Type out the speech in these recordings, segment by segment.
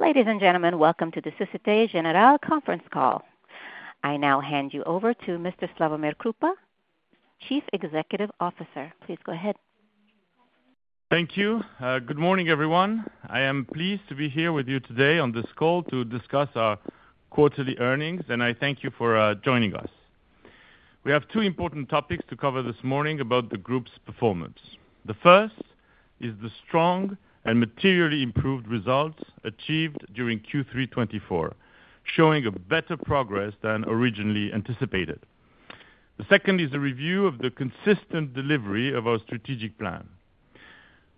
Ladies and gentlemen, welcome to the Société Générale conference call. I now hand you over to Mr. Slawomir Krupa, Chief Executive Officer. Please go ahead. Thank you. Good morning, everyone. I am pleased to be here with you today on this call to discuss our quarterly earnings, and I thank you for joining us. We have two important topics to cover this morning about the group's performance. The first is the strong and materially improved results achieved during Q3 2024, showing a better progress than originally anticipated. The second is a review of the consistent delivery of our strategic plan.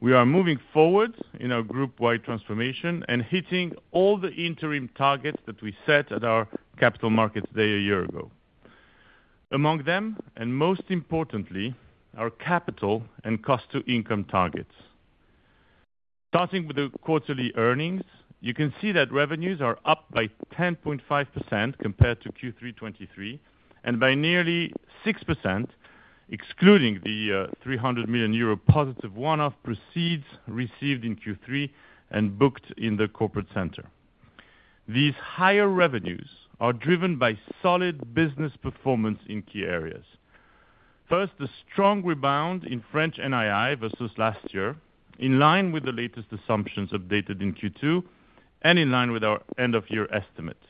We are moving forward in our group-wide transformation and hitting all the interim targets that we set at our capital markets day a year ago. Among them, and most importantly, our capital and cost-to-income targets. Starting with the quarterly earnings, you can see that revenues are up by 10.5% compared to Q3 2023, and by nearly 6%, excluding the 300 million euro positive one-off proceeds received in Q3 and booked in the Corporate Center. These higher revenues are driven by solid business performance in key areas. First, the strong rebound in French NII versus last year, in line with the latest assumptions updated in Q2 and in line with our end-of-year estimates.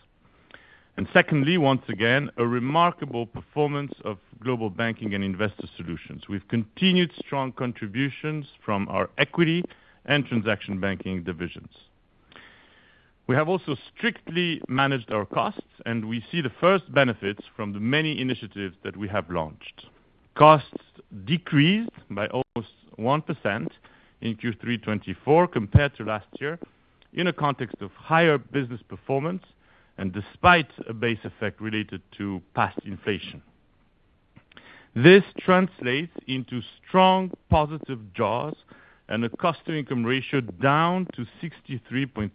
And secondly, once again, a remarkable performance of Global Banking and Investor Solutions. We've continued strong contributions from our equity and transaction banking divisions. We have also strictly managed our costs, and we see the first benefits from the many initiatives that we have launched. Costs decreased by almost 1% in Q3 2024 compared to last year in a context of higher business performance and despite a base effect related to past inflation. This translates into strong positive jaws and a cost-to-income ratio down to 63.3%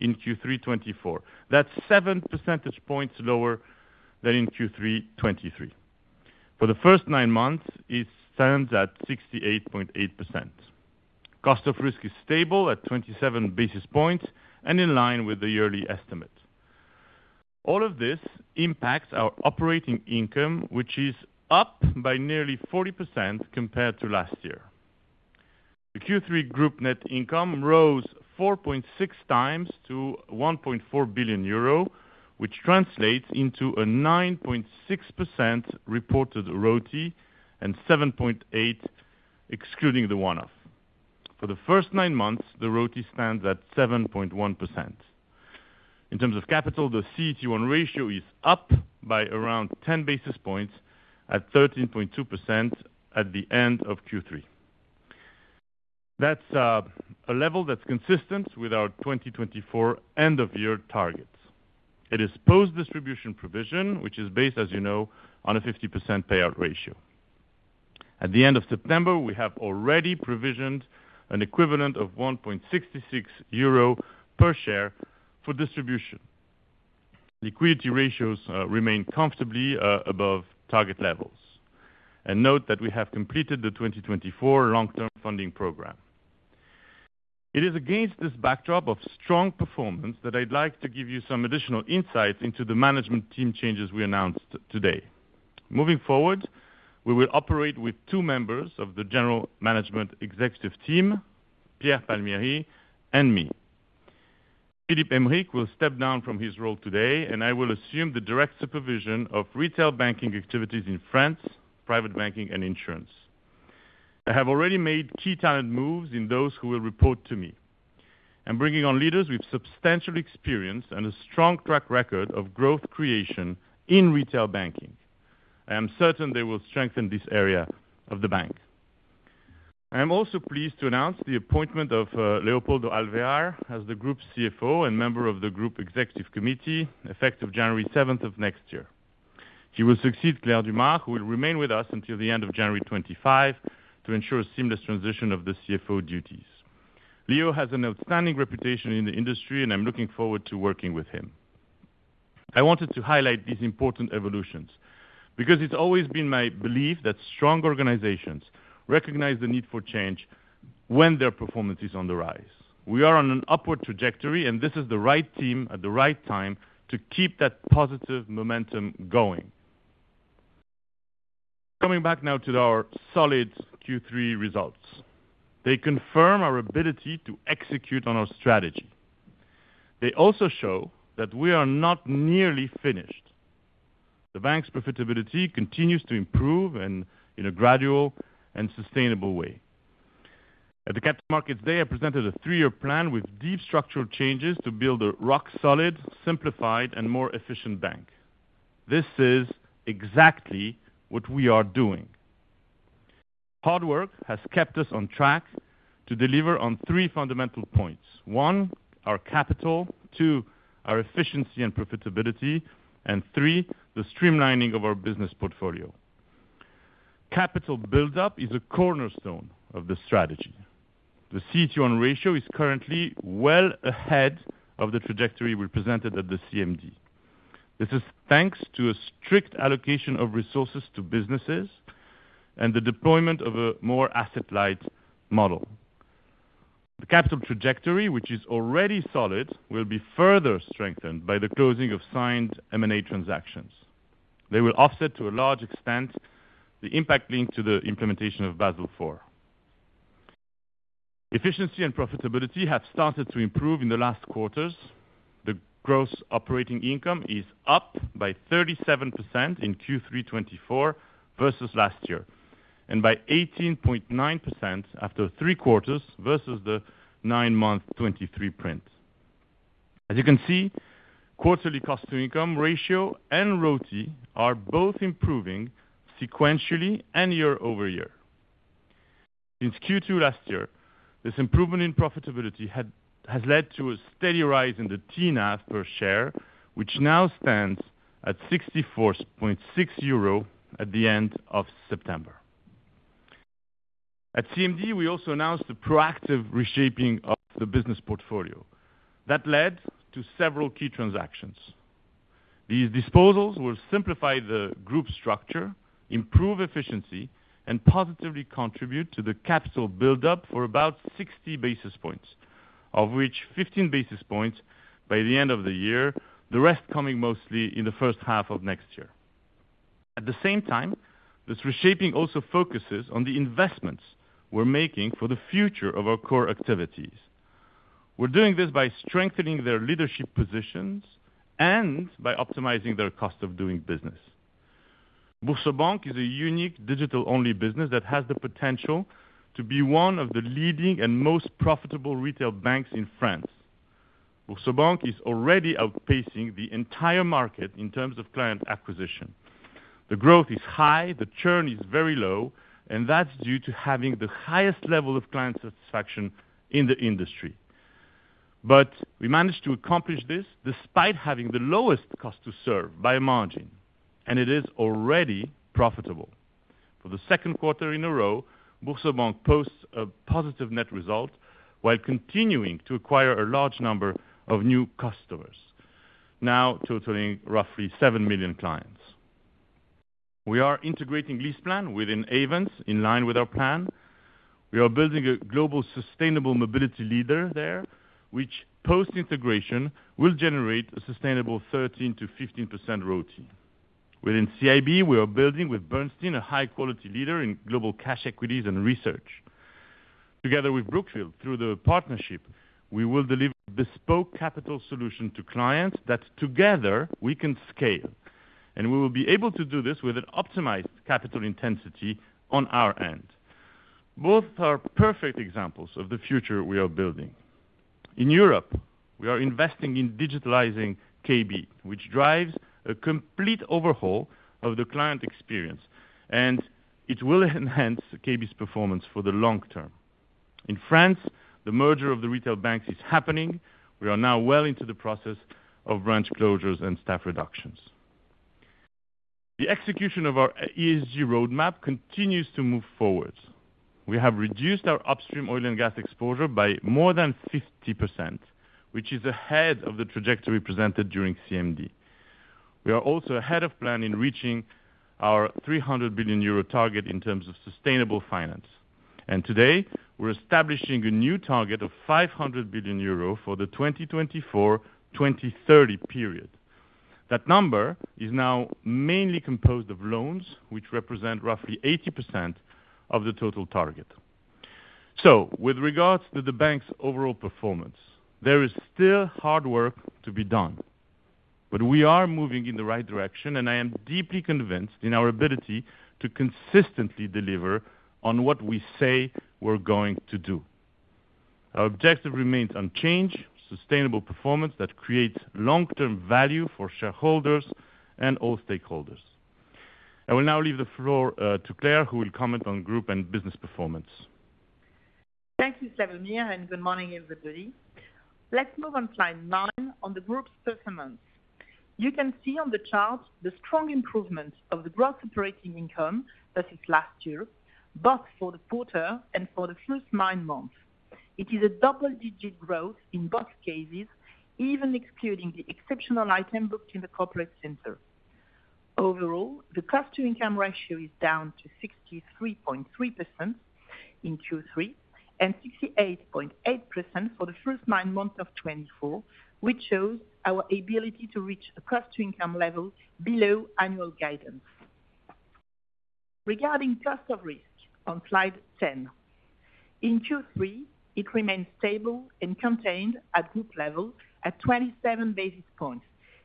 in Q3 2024. That's 7 percentage points lower than in Q3 2023. For the first nine months, it stands at 68.8%. Cost of risk is stable at 27 basis points and in line with the yearly estimate. All of this impacts our operating income, which is up by nearly 40% compared to last year. The Q3 group net income rose 4.6 times to €1.4 billion, which translates into a 9.6% reported ROTE and 7.8% excluding the one-off. For the first nine months, the ROTE stands at 7.1%. In terms of capital, the CET1 ratio is up by around 10 basis points at 13.2% at the end of Q3. That's a level that's consistent with our 2024 end-of-year targets. It is post-distribution provision, which is based, as you know, on a 50% payout ratio. At the end of September, we have already provisioned an equivalent of €1.66 per share for distribution. Liquidity ratios remain comfortably above target levels. And note that we have completed the 2024 long-term funding program. It is against this backdrop of strong performance that I'd like to give you some additional insights into the management team changes we announced today. Moving forward, we will operate with two members of the general management executive team, Pierre Palmieri and me. Philippe Aymerich will step down from his role today, and I will assume the direct supervision of retail banking activities in France, private banking, and insurance. I have already made key talent moves in those who will report to me. I'm bringing on leaders with substantial experience and a strong track record of growth creation in retail banking. I am certain they will strengthen this area of the bank. I am also pleased to announce the appointment of Léopoldo Alvear as the Group CFO and member of the Group Executive Committee effective January 7th of next year. He will succeed Claire Dumas, who will remain with us until the end of January 2025 to ensure a seamless transition of the CFO duties. Leo has an outstanding reputation in the industry, and I'm looking forward to working with him. I wanted to highlight these important evolutions because it's always been my belief that strong organizations recognize the need for change when their performance is on the rise. We are on an upward trajectory, and this is the right team at the right time to keep that positive momentum going. Coming back now to our solid Q3 results, they confirm our ability to execute on our strategy. They also show that we are not nearly finished. The bank's profitability continues to improve in a gradual and sustainable way. At the Capital Markets Day, I presented a three-year plan with deep structural changes to build a rock-solid, simplified, and more efficient bank. This is exactly what we are doing. Hard work has kept us on track to deliver on three fundamental points: one, our capital; two, our efficiency and profitability; and three, the streamlining of our business portfolio. Capital buildup is a cornerstone of the strategy. The CET1 ratio is currently well ahead of the trajectory we presented at the CMD. This is thanks to a strict allocation of resources to businesses and the deployment of a more asset-light model. The capital trajectory, which is already solid, will be further strengthened by the closing of signed M&A transactions. They will offset, to a large extent, the impact linked to the implementation of Basel IV. Efficiency and profitability have started to improve in the last quarters. The gross operating income is up by 37% in Q3 2024 versus last year, and by 18.9% after three quarters versus the nine-month 2023 print. As you can see, quarterly cost-to-income ratio and ROTE are both improving sequentially and year over year. Since Q2 last year, this improvement in profitability has led to a steady rise in the TNAV per share, which now stands at 64.6 euro at the end of September. At CMD, we also announced the proactive reshaping of the business portfolio. That led to several key transactions. These disposals will simplify the group structure, improve efficiency, and positively contribute to the capital buildup for about 60 basis points, of which 15 basis points by the end of the year, the rest coming mostly in the first half of next year. At the same time, this reshaping also focuses on the investments we're making for the future of our core activities. We're doing this by strengthening their leadership positions and by optimizing their cost of doing business. BoursoBank is a unique digital-only business that has the potential to be one of the leading and most profitable retail banks in France. BoursoBank is already outpacing the entire market in terms of client acquisition. The growth is high, the churn is very low, and that's due to having the highest level of client satisfaction in the industry. But we managed to accomplish this despite having the lowest cost to serve by a margin, and it is already profitable. For the second quarter in a row, BoursoBank posts a positive net result while continuing to acquire a large number of new customers, now totaling roughly seven million clients. We are integrating LeasePlan within Ayvens in line with our plan. We are building a global sustainable mobility leader there, which, post-integration, will generate a sustainable 13%-15% ROTE. Within CIB, we are building with Bernstein a high-quality leader in global cash equities and research. Together with Brookfield, through the partnership, we will deliver a bespoke capital solution to clients that, together, we can scale. And we will be able to do this with an optimized capital intensity on our end. Both are perfect examples of the future we are building. In Europe, we are investing in digitalizing KB, which drives a complete overhaul of the client experience, and it will enhance KB's performance for the long term. In France, the merger of the retail banks is happening. We are now well into the process of branch closures and staff reductions. The execution of our ESG roadmap continues to move forward. We have reduced our upstream oil and gas exposure by more than 50%, which is ahead of the trajectory presented during CMD. We are also ahead of plan in reaching our € 300 billion target in terms of sustainable finance. Today, we're establishing a new target of € 500 billion for the 2024-2030 period. That number is now mainly composed of loans, which represent roughly 80% of the total target. With regards to the bank's overall performance, there is still hard work to be done. We are moving in the right direction, and I am deeply convinced in our ability to consistently deliver on what we say we're going to do. Our objective remains unchanged: sustainable performance that creates long-term value for shareholders and all stakeholders. I will now leave the floor to Claire, who will comment on group and business performance. Thank you, Slawomir, and good morning, everybody. Let's move on to line nine on the group's performance. You can see on the chart the strong improvement of the gross operating income versus last year, both for the quarter and for the first nine months. It is a double-digit growth in both cases, even excluding the exceptional item booked in the corporate center. Overall, the cost-to-income ratio is down to 63.3% in Q3 and 68.8% for the first nine months of 2024, which shows our ability to reach a cost-to-income level below annual guidance. Regarding cost of risk, on slide 10, in Q3, it remained stable and contained at group level at 27 basis points.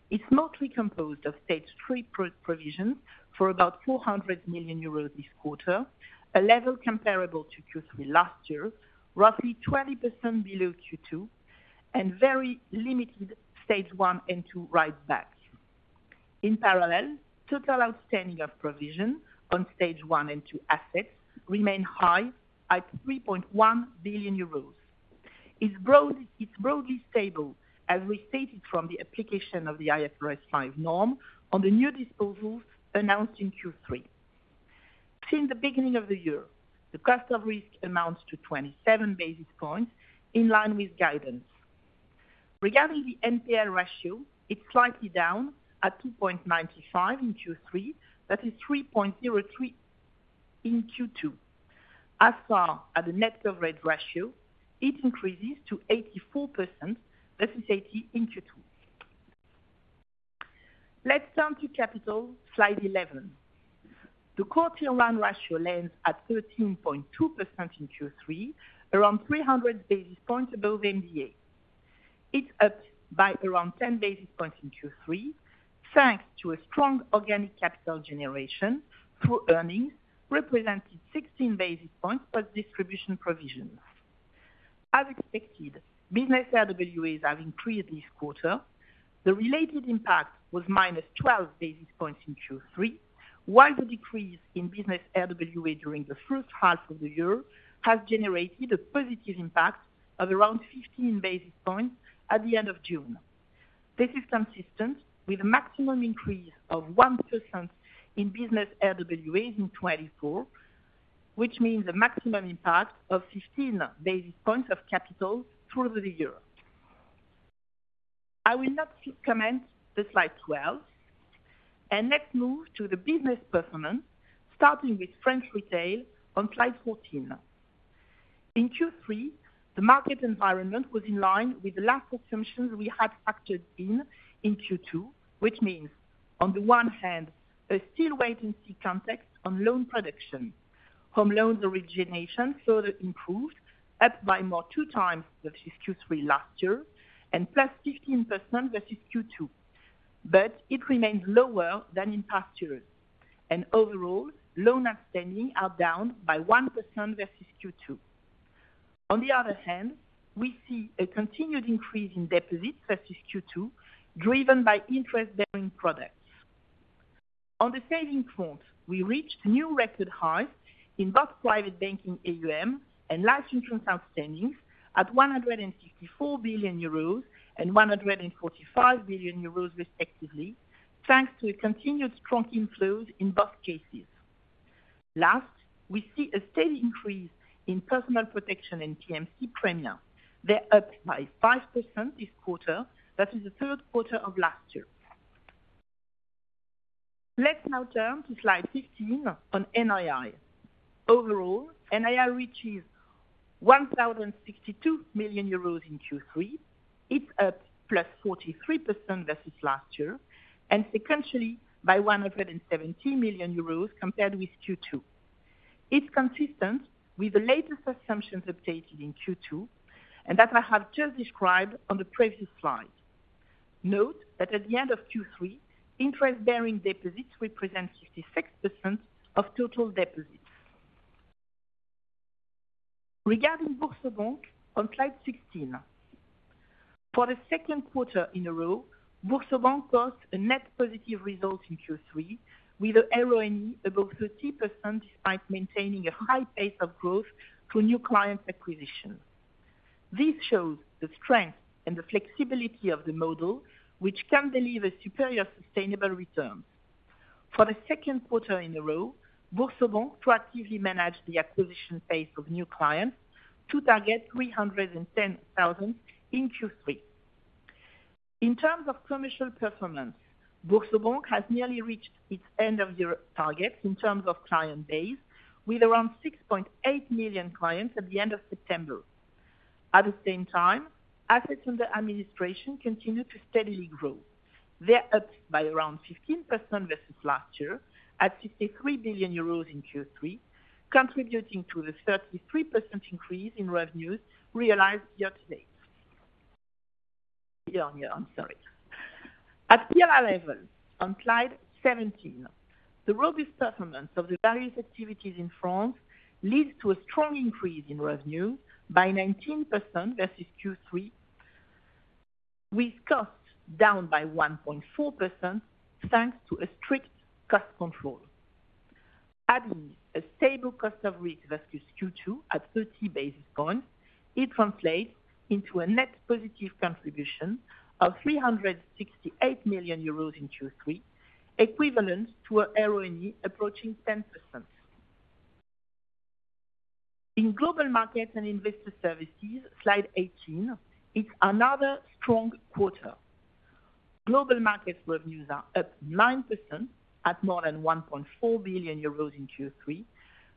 It's mostly composed of stage three provisions for about €400 million this quarter, a level comparable to Q3 last year, roughly 20% below Q2, and very limited stage one and two write-backs. In parallel, total outstanding provisions on Stage 1 and 2 assets remain high at 3.1 billion euros. It's broadly stable, as we stated from the application of the IFRS 5 norm on the new disposals announced in Q3. Since the beginning of the year, the cost of risk amounts to 27 basis points in line with guidance. Regarding the NPL ratio, it's slightly down at 2.95% in Q3, from 3.03% in Q2. As far as the net coverage ratio, it increases to 84%, from 80% in Q2. Let's turn to capital slide 11. The CET1 ratio lands at 13.2% in Q3, around 300 basis points above MDA. It's up by around 10 basis points in Q3 thanks to a strong organic capital generation through earnings represented 16 basis points plus distribution provisions. As expected, business RWAs have increased this quarter. The related impact was minus 12 basis points in Q3, while the decrease in business RWA during the first half of the year has generated a positive impact of around 15 basis points at the end of June. This is consistent with a maximum increase of 1% in business RWAs in 2024, which means a maximum impact of 15 basis points of capital through the year. I will not comment on slide 12. And let's move to the business performance, starting with French retail on slide 14. In Q3, the market environment was in line with the last assumptions we had factored in in Q2, which means, on the one hand, a still wait-and-see context on loan production. Home loans origination further improved, up by more than two times versus Q3 last year, and plus 15% versus Q2. But it remains lower than in past years. And overall, loans outstanding are down by 1% versus Q2. On the other hand, we see a continued increase in deposits versus Q2, driven by interest-bearing products. On the savings front, we reached new record highs in both Private Banking AUM and life insurance outstandings at 164 billion euros and 145 billion euros, respectively, thanks to continued strong inflows in both cases. Last, we see a steady increase in personal protection and P&C premia. They're up by 5% this quarter, that is the third quarter of last year. Let's now turn to slide 15 on NII. Overall, NII reaches 1,062 million euros in Q3. It's up plus 43% versus last year, and sequentially by 170 million euros compared with Q2. It's consistent with the latest assumptions updated in Q2 and that I have just described on the previous slide. Note that at the end of Q3, interest-bearing deposits represent 56% of total deposits. Regarding BoursoBank on slide 16, for the second quarter in a row, BoursoBank posts a net positive result in Q3 with a RONE above 30% despite maintaining a high pace of growth through new client acquisition. This shows the strength and the flexibility of the model, which can deliver superior sustainable returns. For the second quarter in a row, BoursoBank proactively managed the acquisition pace of new clients to target 310,000 in Q3. In terms of commercial performance, BoursoBank has nearly reached its end-of-year targets in terms of client base, with around 6.8 million clients at the end of September. At the same time, assets under administration continue to steadily grow. They're up by around 15% versus last year, at 63 billion euros in Q3, contributing to the 33% increase in revenues realized year-to-date. At pillar level, on slide 17, the robust performance of the various activities in France leads to a strong increase in revenue by 19% versus Q3, with costs down by 1.4% thanks to a strict cost control. Adding a stable cost of risk versus Q2 at 30 basis points, it translates into a net positive contribution of 368 million euros in Q3, equivalent to a RONE approaching 10%. In global markets and investor services, slide 18, it's another strong quarter. Global market revenues are up 9% at more than 1.4 billion euros in Q3,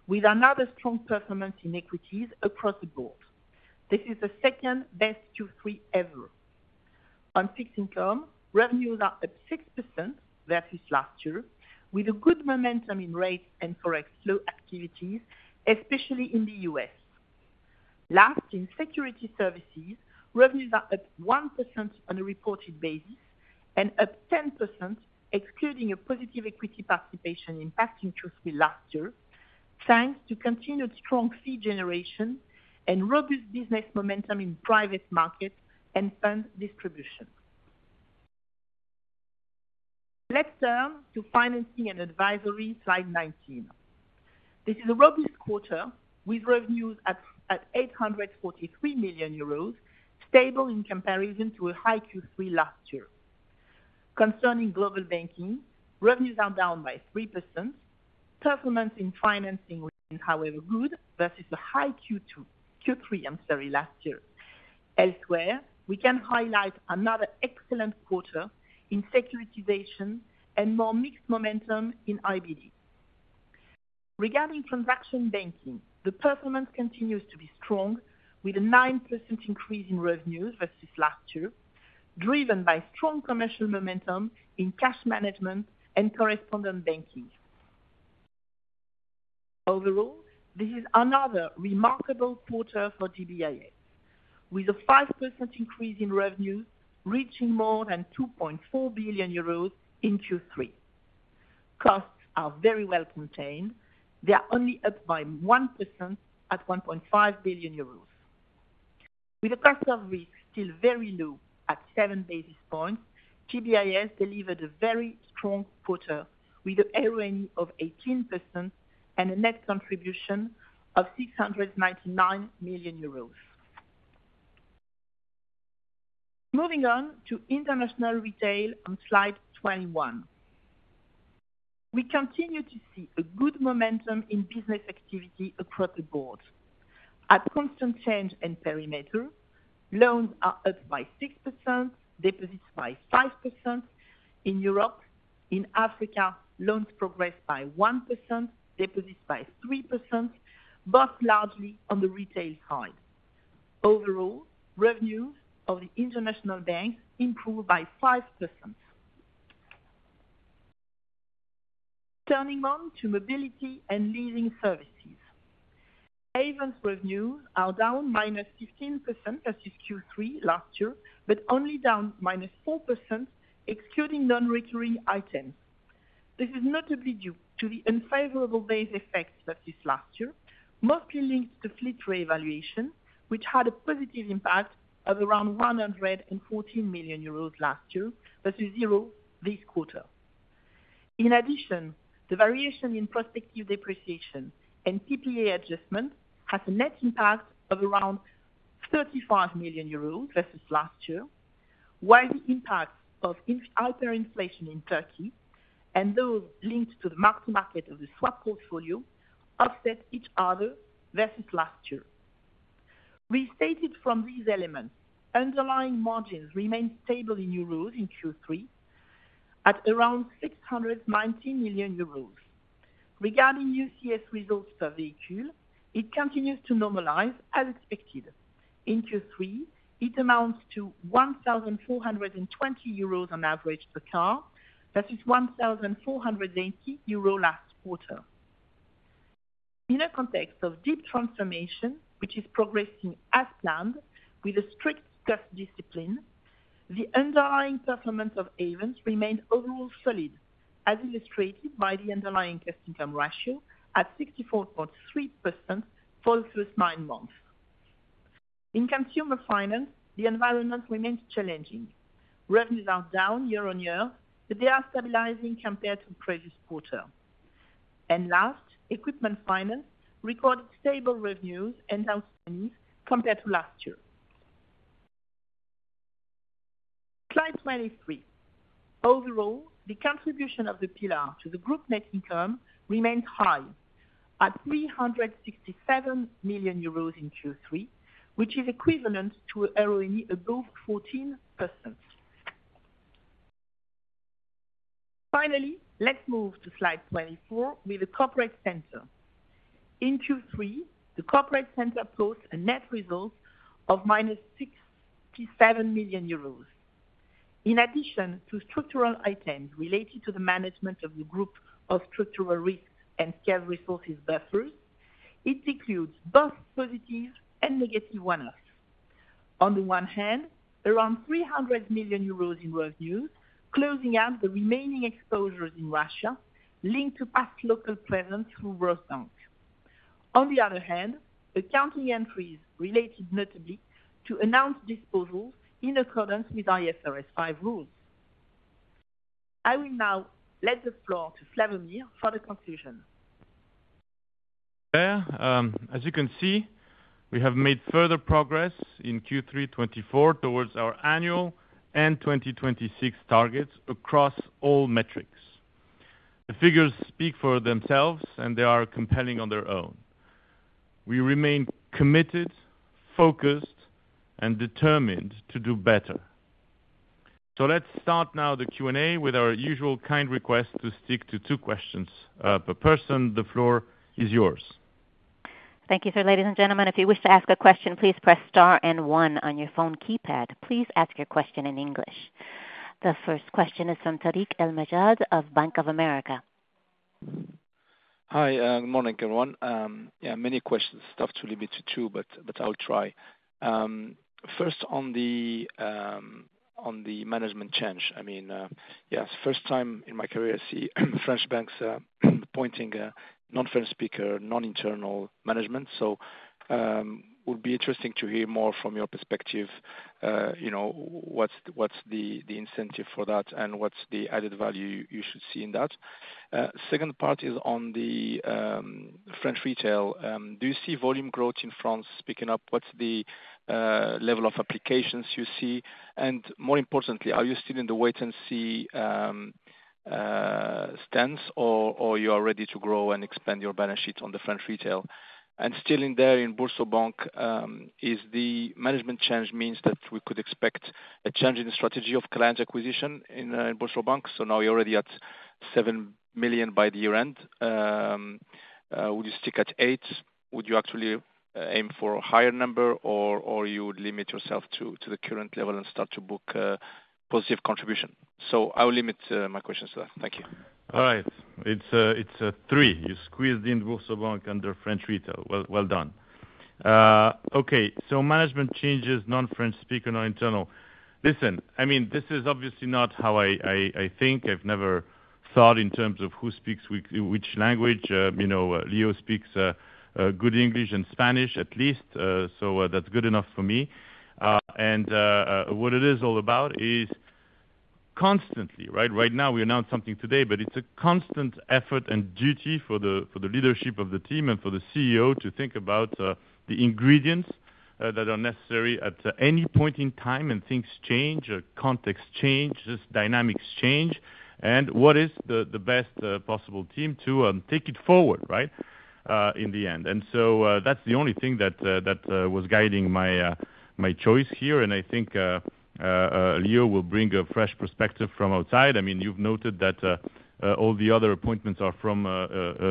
with another strong performance in equities across the board. This is the second-best Q3 ever. On fixed income, revenues are up 6% versus last year, with a good momentum in rates and forex flow activities, especially in the US. Last, in securities services, revenues are up 1% on a reported basis and up 10%, excluding a positive equity participation in past Q3 last year, thanks to continued strong fee generation and robust business momentum in private markets and fund distribution. Let's turn to financing and advisory, slide 19. This is a robust quarter with revenues at 843 million euros, stable in comparison to a high Q3 last year. Concerning global banking, revenues are down by 3%. Performance in financing remains, however, good versus a high Q3 last year. Elsewhere, we can highlight another excellent quarter in securitization and more mixed momentum in IBD. Regarding transaction banking, the performance continues to be strong, with a 9% increase in revenues versus last year, driven by strong commercial momentum in cash management and correspondent banking. Overall, this is another remarkable quarter for GBIS, with a 5% increase in revenues reaching more than € 2.4 billion in Q3. Costs are very well contained. They are only up by 1% at € 1.5 billion. With the cost of risk still very low at 7 basis points, GBIS delivered a very strong quarter with a RONE of 18% and a net contribution of €699 million. Moving on to international retail on slide 21. We continue to see a good momentum in business activity across the board. At constant exchange and perimeter, loans are up by 6%, deposits by 5%. In Europe, in Africa, loans progress by 1%, deposits by 3%, both largely on the retail side. Overall, revenues of the international banks improve by 5%. Turning to mobility and leasing services. Ayvens revenues are down minus 15% versus Q3 last year, but only down minus 4%, excluding non-recurring items. This is notably due to the unfavorable base effects versus last year, mostly linked to fleet re-evaluation, which had a positive impact of around 114 million euros last year versus zero this quarter. In addition, the variation in prospective depreciation and PPA adjustment has a net impact of around 35 million euros versus last year, while the impacts of hyperinflation in Turkey and those linked to the mark-to-market of the swap portfolio offset each other versus last year. We start from these elements, underlying margins remain stable in euros in Q3 at around 619 million euros. Regarding UCS results per vehicle, it continues to normalize as expected. In Q3, it amounts to 1,420 euros on average per car versus 1,480 euros last quarter. In a context of deep transformation, which is progressing as planned with a strict cost discipline, the underlying performance of Ayvens remained overall solid, as illustrated by the underlying cost-income ratio at 64.3% for the first nine months. In consumer finance, the environment remains challenging. Revenues are down year-on-year, but they are stabilizing compared to the previous quarter, and last, equipment finance recorded stable revenues and outstandings compared to last year. Slide 23. Overall, the contribution of the PLR to the group net income remains high at 367 million euros in Q3, which is equivalent to a RONE above 14%. Finally, let's move to slide 24 with the corporate center. In Q3, the corporate center posts a net result of minus 67 million euros. In addition to structural items related to the management of the group of structural risks and scale resources buffers, it includes both positive and negative one-offs. On the one hand, around 300 million euros in revenues closing out the remaining exposures in Russia linked to past local presence through Rosbank. On the other hand, accounting entries related notably to announced disposals in accordance with IFRS 5 rules. I will now let the floor to Leo for the conclusion. Claire, as you can see, we have made further progress in Q3 2024 towards our annual and 2026 targets across all metrics. The figures speak for themselves, and they are compelling on their own. We remain committed, focused, and determined to do better. So let's start now the Q&A with our usual kind request to stick to two questions per person. The floor is yours. Thank you, sir. Ladies and gentlemen, if you wish to ask a question, please press star and one on your phone keypad. Please ask your question in English. The first question is from Tarik El Mejjad of Bank of America. Hi, good morning, everyone. Yeah, many questions. Stuff to limit to two, but I'll try. First, on the management change. I mean, yes, first time in my career I see French banks appointing non-French speaker, non-internal management. So it would be interesting to hear more from your perspective, what's the incentive for that, and what's the added value you should see in that? Second part is on the French retail. Do you see volume growth in France speaking up? What's the level of applications you see? And more importantly, are you still in the wait-and-see stance, or are you ready to grow and expand your balance sheet on the French retail? And still in there, in BoursoBank, is the management change means that we could expect a change in the strategy of client acquisition in BoursoBank? So now you're already at €7 million by the year-end. Would you stick at eight? Would you actually aim for a higher number, or you would limit yourself to the current level and start to book positive contribution? So I will limit my questions to that. Thank you. All right. It's a three. You squeezed in BoursoBank under French retail. Well done. Okay. So management changes, non-French speaker, non-internal. Listen, I mean, this is obviously not how I think. I've never thought in terms of who speaks which language. Leo speaks good English and Spanish, at least. So that's good enough for me. And what it is all about is constantly, right? Right now, we announced something today, but it's a constant effort and duty for the leadership of the team and for the CEO to think about the ingredients that are necessary at any point in time when things change, contexts change, dynamics change, and what is the best possible team to take it forward, right, in the end? And so that's the only thing that was guiding my choice here. And I think Leo will bring a fresh perspective from outside. I mean, you've noted that all the other appointments are from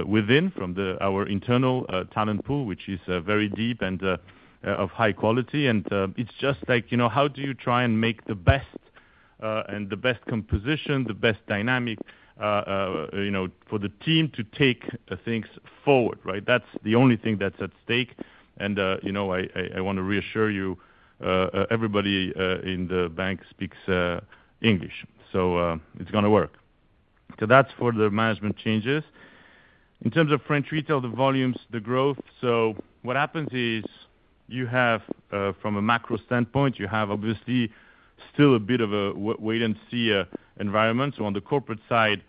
within, from our internal talent pool, which is very deep and of high quality. And it's just like, how do you try and make the best and the best composition, the best dynamic for the team to take things forward, right? That's the only thing that's at stake. And I want to reassure you, everybody in the bank speaks English. So it's going to work. So that's for the management changes. In terms of French retail, the volumes, the growth. So what happens is you have, from a macro standpoint, you have obviously still a bit of a wait-and-see environment. So on the corporate side,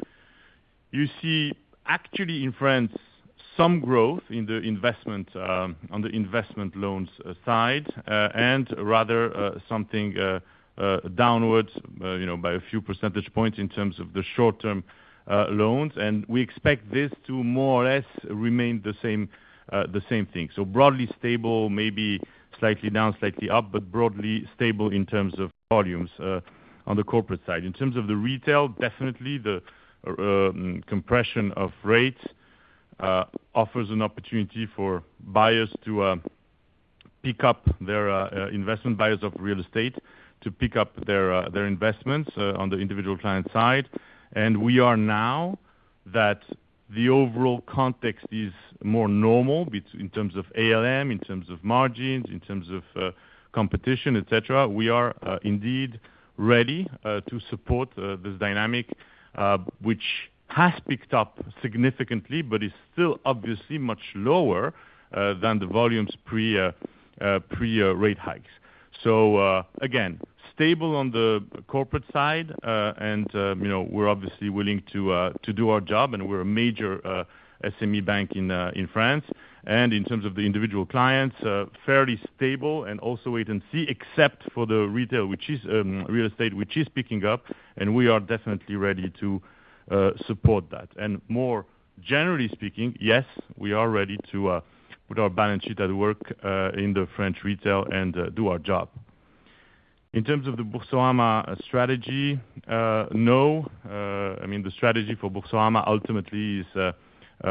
you see actually in France some growth in the investment on the investment loans side and rather something downward by a few percentage points in terms of the short-term loans. And we expect this to more or less remain the same thing. So broadly stable, maybe slightly down, slightly up, but broadly stable in terms of volumes on the corporate side. In terms of the retail, definitely the compression of rates offers an opportunity for buyers to pick up their investments, buyers of real estate to pick up their investments on the individual client side. Now that the overall context is more normal in terms of ALM, in terms of margins, in terms of competition, etc., we are indeed ready to support this dynamic, which has picked up significantly, but is still obviously much lower than the volumes pre-rate hikes. Again, stable on the corporate side, and we're obviously willing to do our job, and we're a major SME bank in France. In terms of the individual clients, fairly stable and also wait-and-see, except for the retail, which is real estate, which is picking up, and we are definitely ready to support that. And more generally speaking, yes, we are ready to put our balance sheet at work in the French retail and do our job. In terms of the Boursorama strategy, no. I mean, the strategy for Boursorama ultimately is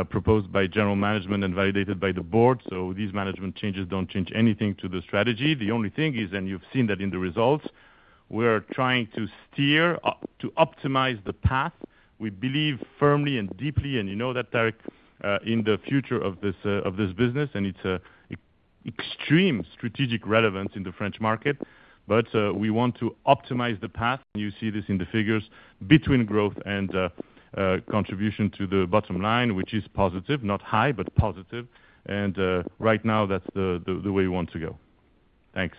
proposed by general management and validated by the board. So these management changes don't change anything to the strategy. The only thing is, and you've seen that in the results, we're trying to steer to optimize the path we believe firmly and deeply, and you know that, Tarik, in the future of this business, and it's extreme strategic relevance in the French market. But we want to optimize the path, and you see this in the figures between growth and contribution to the bottom line, which is positive, not high, but positive. And right now, that's the way we want to go. Thanks.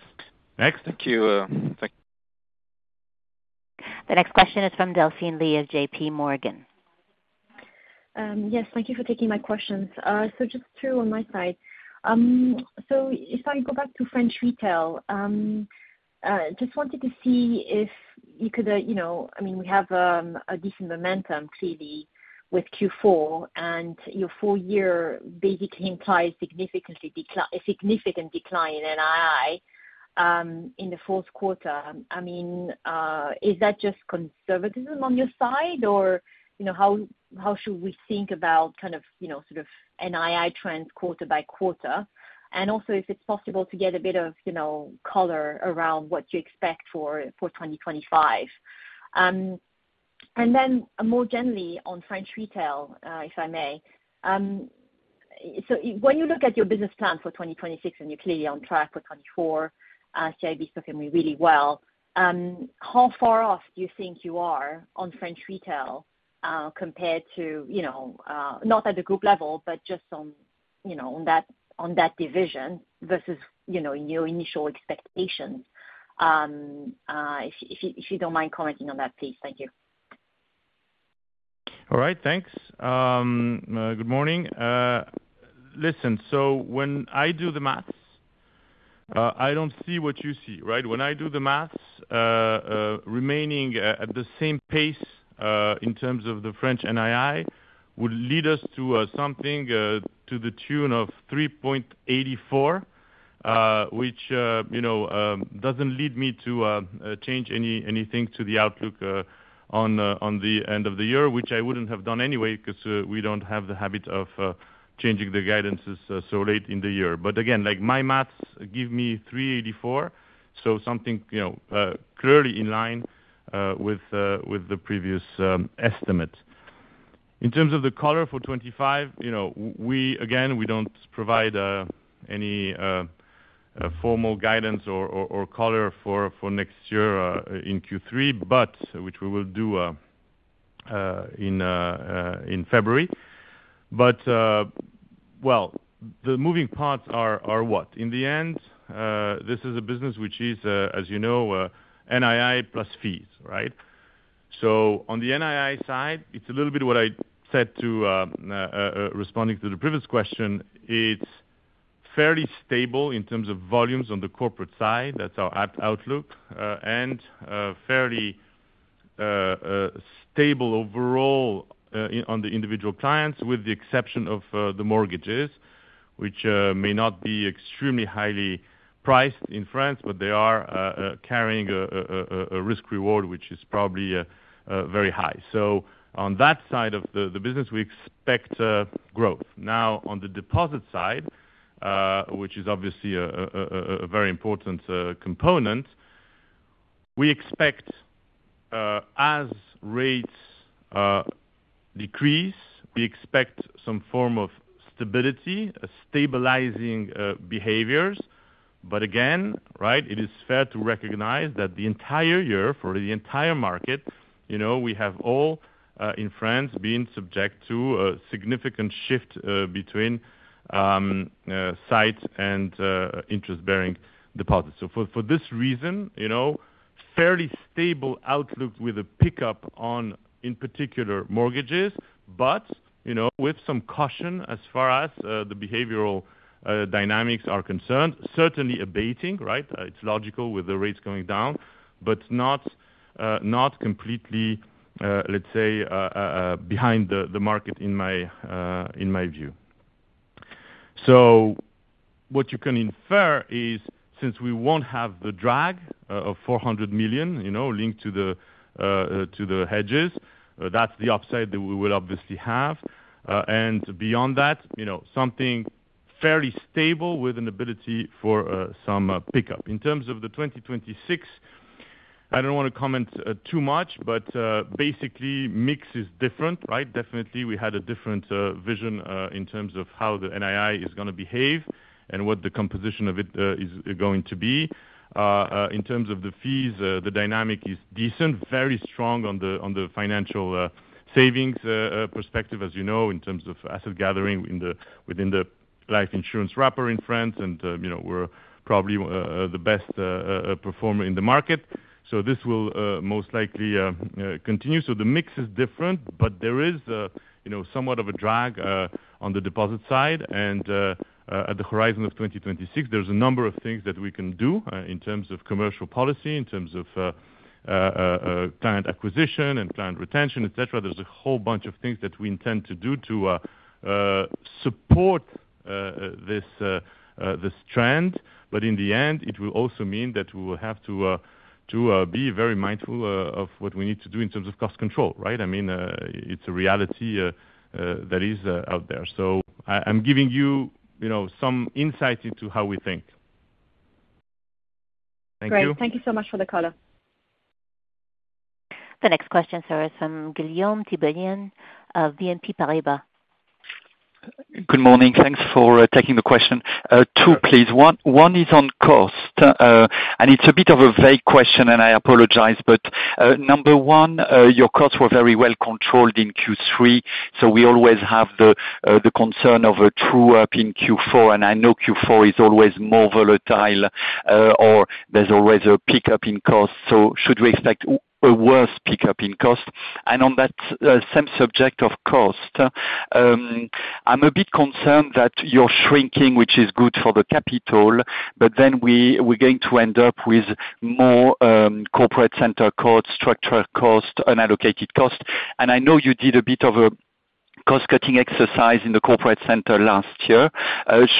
Next? Thank you. The next question is from Delphine Lee of J.P. Morgan. Yes, thank you for taking my questions. So just two on my side. So if I go back to French retail, just wanted to see if you could, I mean, we have a decent momentum clearly with Q4, and your full-year basically implies significant decline in NII in the fourth quarter. I mean, is that just conservatism on your side, or how should we think about kind of sort of NII trends quarter by quarter? And also, if it's possible to get a bit of color around what you expect for 2025. And then more generally on French retail, if I may. So when you look at your business plan for 2026, and you're clearly on track for 24, as JB spoke and we really well, how far off do you think you are on French retail compared to not at the group level, but just on that division versus your initial expectations? If you don't mind commenting on that, please. Thank you. All right. Thanks. Good morning. Listen, so when I do the math, I don't see what you see, right? When I do the math, remaining at the same pace in terms of the French NII would lead us to something to the tune of €3.84 billion, which doesn't lead me to change anything to the outlook on the end of the year, which I wouldn't have done anyway because we don't have the habit of changing the guidances so late in the year. Again, my math give me 3.84, so something clearly in line with the previous estimate. In terms of the color for 25, again, we don't provide any formal guidance or color for next year in Q3, but which we will do in February. Well, the moving parts are what? In the end, this is a business which is, as you know, NII plus fees, right? On the NII side, it's a little bit what I said to responding to the previous question. It's fairly stable in terms of volumes on the corporate side. That's our outlook and fairly stable overall on the individual clients with the exception of the mortgages, which may not be extremely highly priced in France, but they are carrying a risk-reward which is probably very high. On that side of the business, we expect growth. Now, on the deposit side, which is obviously a very important component, we expect as rates decrease, we expect some form of stability, stabilizing behaviors. But again, right, it is fair to recognize that the entire year for the entire market, we have all in France been subject to a significant shift between sight and interest-bearing deposits. So for this reason, fairly stable outlook with a pickup on, in particular, mortgages, but with some caution as far as the behavioral dynamics are concerned, certainly abating, right? It's logical with the rates going down, but not completely, let's say, behind the market in my view. So what you can infer is since we won't have the drag of 400 million linked to the hedges, that's the upside that we will obviously have. And beyond that, something fairly stable with an ability for some pickup. In terms of the 2026, I don't want to comment too much, but basically, mix is different, right? Definitely, we had a different vision in terms of how the NII is going to behave and what the composition of it is going to be. In terms of the fees, the dynamic is decent, very strong on the financial savings perspective, as you know, in terms of asset gathering within the life insurance wrapper in France, and we're probably the best performer in the market. So this will most likely continue. So the mix is different, but there is somewhat of a drag on the deposit side. And at the horizon of 2026, there's a number of things that we can do in terms of commercial policy, in terms of client acquisition and client retention, etc. There's a whole bunch of things that we intend to do to support this trend. But in the end, it will also mean that we will have to be very mindful of what we need to do in terms of cost control, right? I mean, it's a reality that is out there. So I'm giving you some insight into how we think. Thank you. Great. Thank you so much for the color. The next question, sir, is from Guillaume Tiberghien, BNP Paribas. Good morning. Thanks for taking the question. Two, please. One is on cost. And it's a bit of a vague question, and I apologize. But number one, your costs were very well controlled in Q3. So we always have the concern of a true up in Q4. And I know Q4 is always more volatile, or there's always a pickup in cost. So should we expect a worse pickup in cost? On that same subject of cost, I'm a bit concerned that you're shrinking, which is good for the capital, but then we're going to end up with more corporate center cost, structure cost, unallocated cost. I know you did a bit of a cost-cutting exercise in the corporate center last year.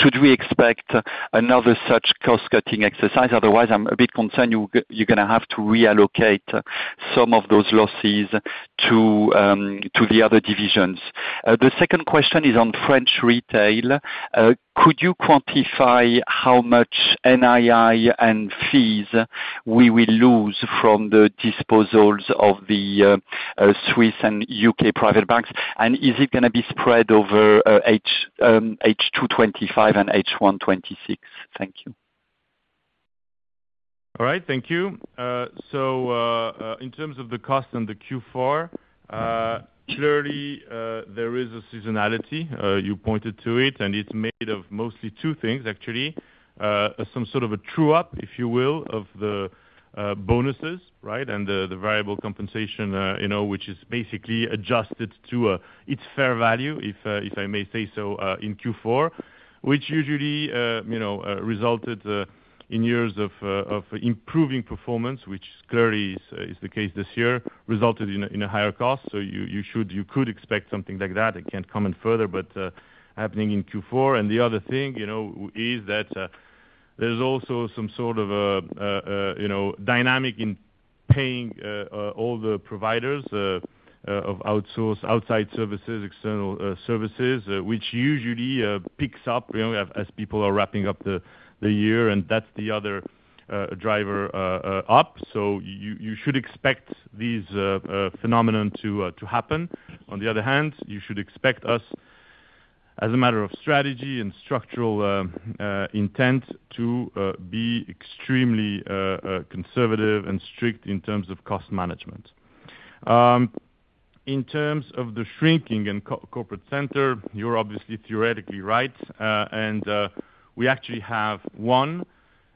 Should we expect another such cost-cutting exercise? Otherwise, I'm a bit concerned you're going to have to reallocate some of those losses to the other divisions. The second question is on French retail. Could you quantify how much NII and fees we will lose from the disposals of the Swiss and UK private banks? And is it going to be spread over H2 2025 and H1 2026? Thank you. All right. Thank you. In terms of the cost and the Q4, clearly, there is a seasonality. You pointed to it, and it's made of mostly two things, actually. Some sort of a true-up, if you will, of the bonuses, right, and the variable compensation, which is basically adjusted to its fair value, if I may say so, in Q4, which usually resulted in years of improving performance, which clearly is the case this year, resulted in a higher cost, so you could expect something like that. I can't comment further, but happening in Q4, and the other thing is that there's also some sort of dynamic in paying all the providers of outside services, external services, which usually picks up as people are wrapping up the year, and that's the other driver up, so you should expect these phenomena to happen. On the other hand, you should expect us, as a matter of strategy and structural intent, to be extremely conservative and strict in terms of cost management. In terms of the shrinking in Corporate Center, you're obviously theoretically right. And we actually have one,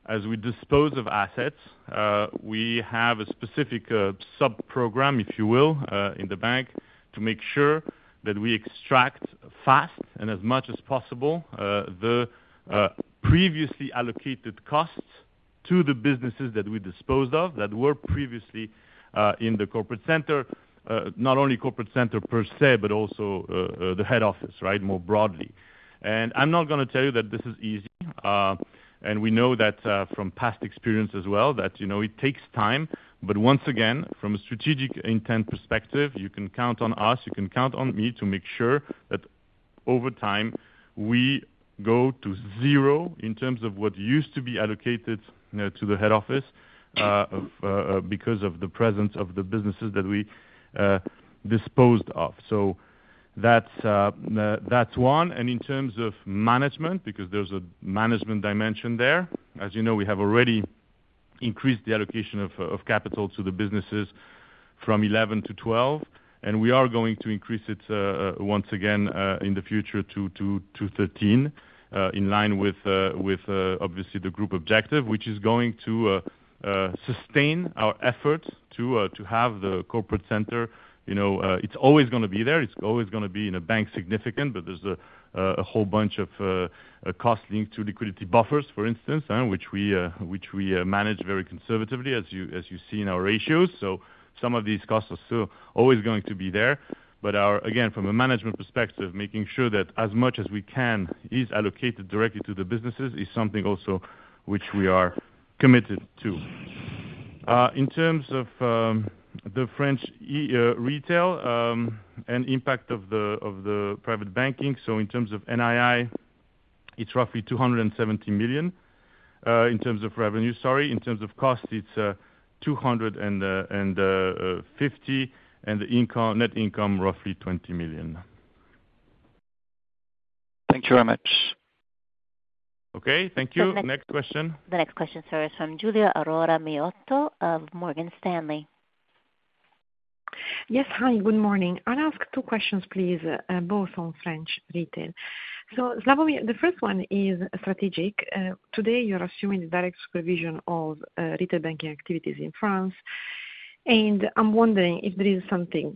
as we dispose of assets, we have a specific subprogram, if you will, in the bank to make sure that we extract fast and as much as possible the previously allocated costs to the businesses that we disposed of that were previously in the Corporate Center, not only Corporate Center per se, but also the head office, right, more broadly. And I'm not going to tell you that this is easy. And we know that from past experience as well, that it takes time. But once again, from a strategic intent perspective, you can count on us, you can count on me to make sure that over time, we go to zero in terms of what used to be allocated to the head office because of the presence of the businesses that we disposed of. So that's one. And in terms of management, because there's a management dimension there, as you know, we have already increased the allocation of capital to the businesses from 11 to 12. And we are going to increase it once again in the future to 213, in line with obviously the group objective, which is going to sustain our efforts to have the Corporate Center. It's always going to be there. It's always going to be significant in a bank, but there's a whole bunch of costs linked to liquidity buffers, for instance, which we manage very conservatively, as you see in our ratios. So some of these costs are still always going to be there. But again, from a management perspective, making sure that as much as we can is allocated directly to the businesses is something also which we are committed to. In terms of the French retail and impact of the private banking, so in terms of NII, it's roughly 270 million in terms of revenue. Sorry. In terms of cost, it's 250 million, and the net income, roughly 20 million. Thank you very much. Okay. Thank you. Next question. The next question, sir, is from Giulia Aurora Miotto of Morgan Stanley. Yes. Hi. Good morning. I'll ask two questions, please, both on French retail. So, Slawomir, the first one is strategic. Today, you're assuming direct supervision of retail banking activities in France. And I'm wondering if there is something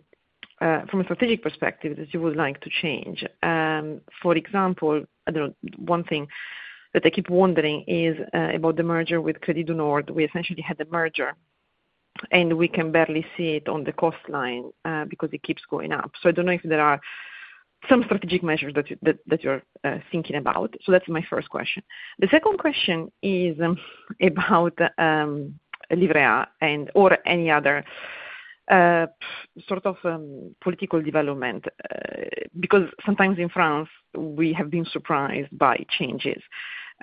from a strategic perspective that you would like to change. For example, one thing that I keep wondering is about the merger with Crédit du Nord. We essentially had a merger, and we can barely see it on the cost line because it keeps going up. So I don't know if there are some strategic measures that you're thinking about. So that's my first question. The second question is about Livret A and/or any other sort of political development, because sometimes in France, we have been surprised by changes.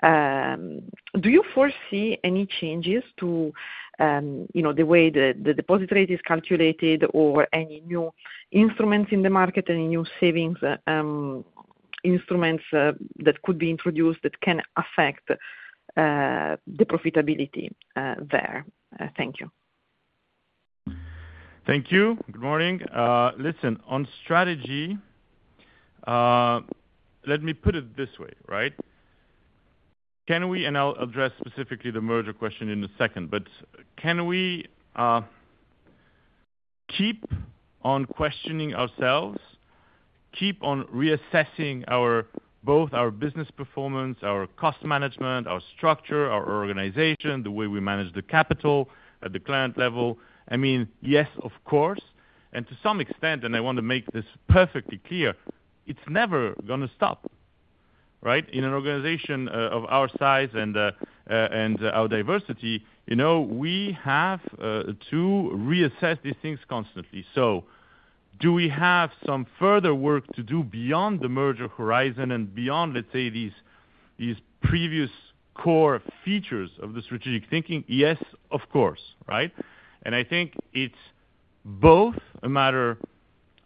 Do you foresee any changes to the way the deposit rate is calculated or any new instruments in the market, any new savings instruments that could be introduced that can affect the profitability there? Thank you. Thank you. Good morning. Listen, on strategy, let me put it this way, right? And I'll address specifically the merger question in a second, but can we keep on questioning ourselves, keep on reassessing both our business performance, our cost management, our structure, our organization, the way we manage the capital at the client level? I mean, yes, of course. And to some extent, and I want to make this perfectly clear, it's never going to stop, right? In an organization of our size and our diversity, we have to reassess these things constantly. So do we have some further work to do beyond the merger horizon and beyond, let's say, these previous core features of the strategic thinking? Yes, of course, right? And I think it's both a matter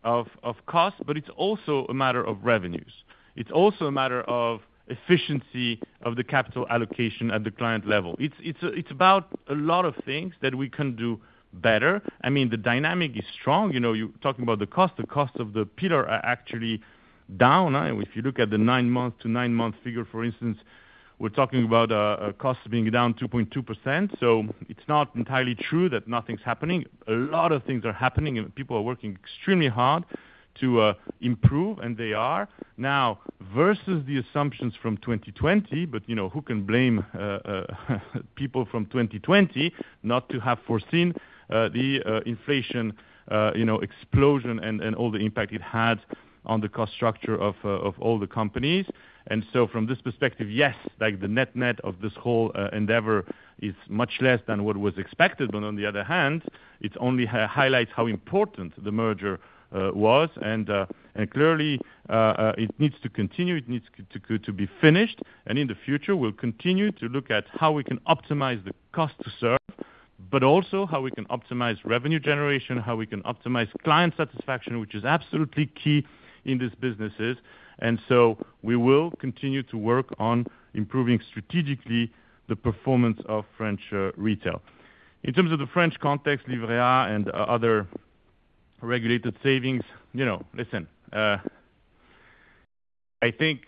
of cost, but it's also a matter of revenues. It's also a matter of efficiency of the capital allocation at the client level. It's about a lot of things that we can do better. I mean, the dynamic is strong. You're talking about the cost. The cost of the pillar are actually down. If you look at the nine-month-to-nine-month figure, for instance, we're talking about costs being down 2.2%. So it's not entirely true that nothing's happening. A lot of things are happening, and people are working extremely hard to improve, and they are. Now, versus the assumptions from 2020, but who can blame people from 2020 not to have foreseen the inflation explosion and all the impact it had on the cost structure of all the companies? And so from this perspective, yes, the net-net of this whole endeavor is much less than what was expected. But on the other hand, it only highlights how important the merger was. And clearly, it needs to continue. It needs to be finished. And in the future, we'll continue to look at how we can optimize the cost to serve, but also how we can optimize revenue generation, how we can optimize client satisfaction, which is absolutely key in these businesses. And so we will continue to work on improving strategically the performance of French retail. In terms of the French context, Livret A and other regulated savings, listen, I think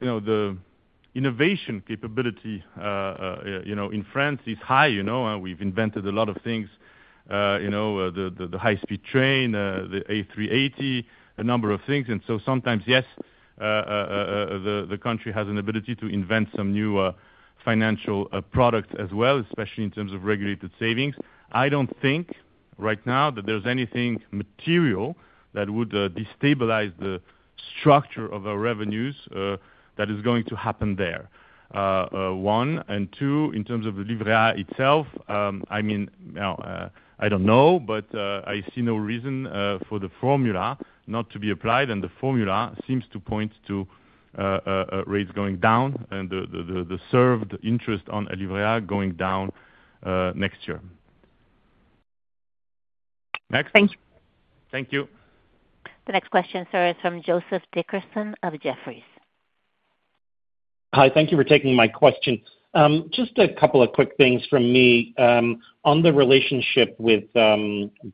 the innovation capability in France is high. We've invented a lot of things, the high-speed train, the A380, a number of things. And so sometimes, yes, the country has an ability to invent some new financial products as well, especially in terms of regulated savings. I don't think right now that there's anything material that would destabilize the structure of our revenues that is going to happen there. One. And two, in terms of Livret A itself, I mean, I don't know, but I see no reason for the formula not to be applied. And the formula seems to point to rates going down and the served interest on Livret A going down next year. Next. Thank you. Thank you. The next question, sir, is from Joseph Dickerson of Jefferies. Hi. Thank you for taking my question. Just a couple of quick things from me on the relationship with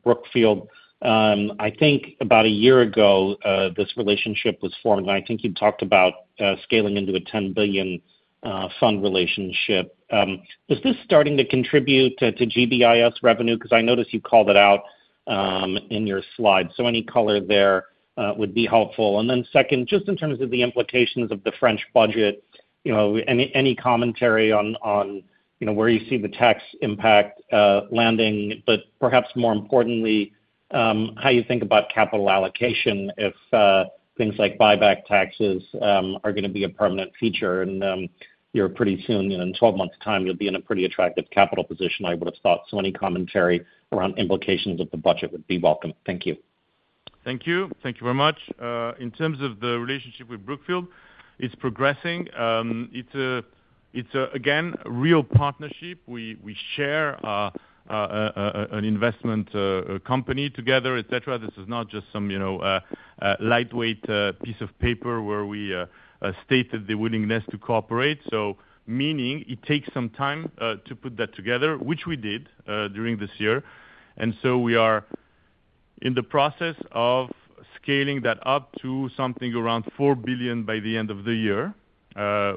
Brookfield. I think about a year ago, this relationship was formed. And I think you talked about scaling into a 10 billion fund relationship. Is this starting to contribute to GBIS revenue? Because I noticed you called it out in your slide. So any color there would be helpful. Then second, just in terms of the implications of the French budget, any commentary on where you see the tax impact landing, but perhaps more importantly, how you think about capital allocation if things like buyback taxes are going to be a permanent feature. And pretty soon, in 12 months' time, you'll be in a pretty attractive capital position, I would have thought. So any commentary around implications of the budget would be welcome. Thank you. Thank you. Thank you very much. In terms of the relationship with Brookfield, it's progressing. It's, again, a real partnership. We share an investment company together, etc. This is not just some lightweight piece of paper where we stated the willingness to cooperate. So meaning it takes some time to put that together, which we did during this year. And so we are in the process of scaling that up to something around 4 billion by the end of the year,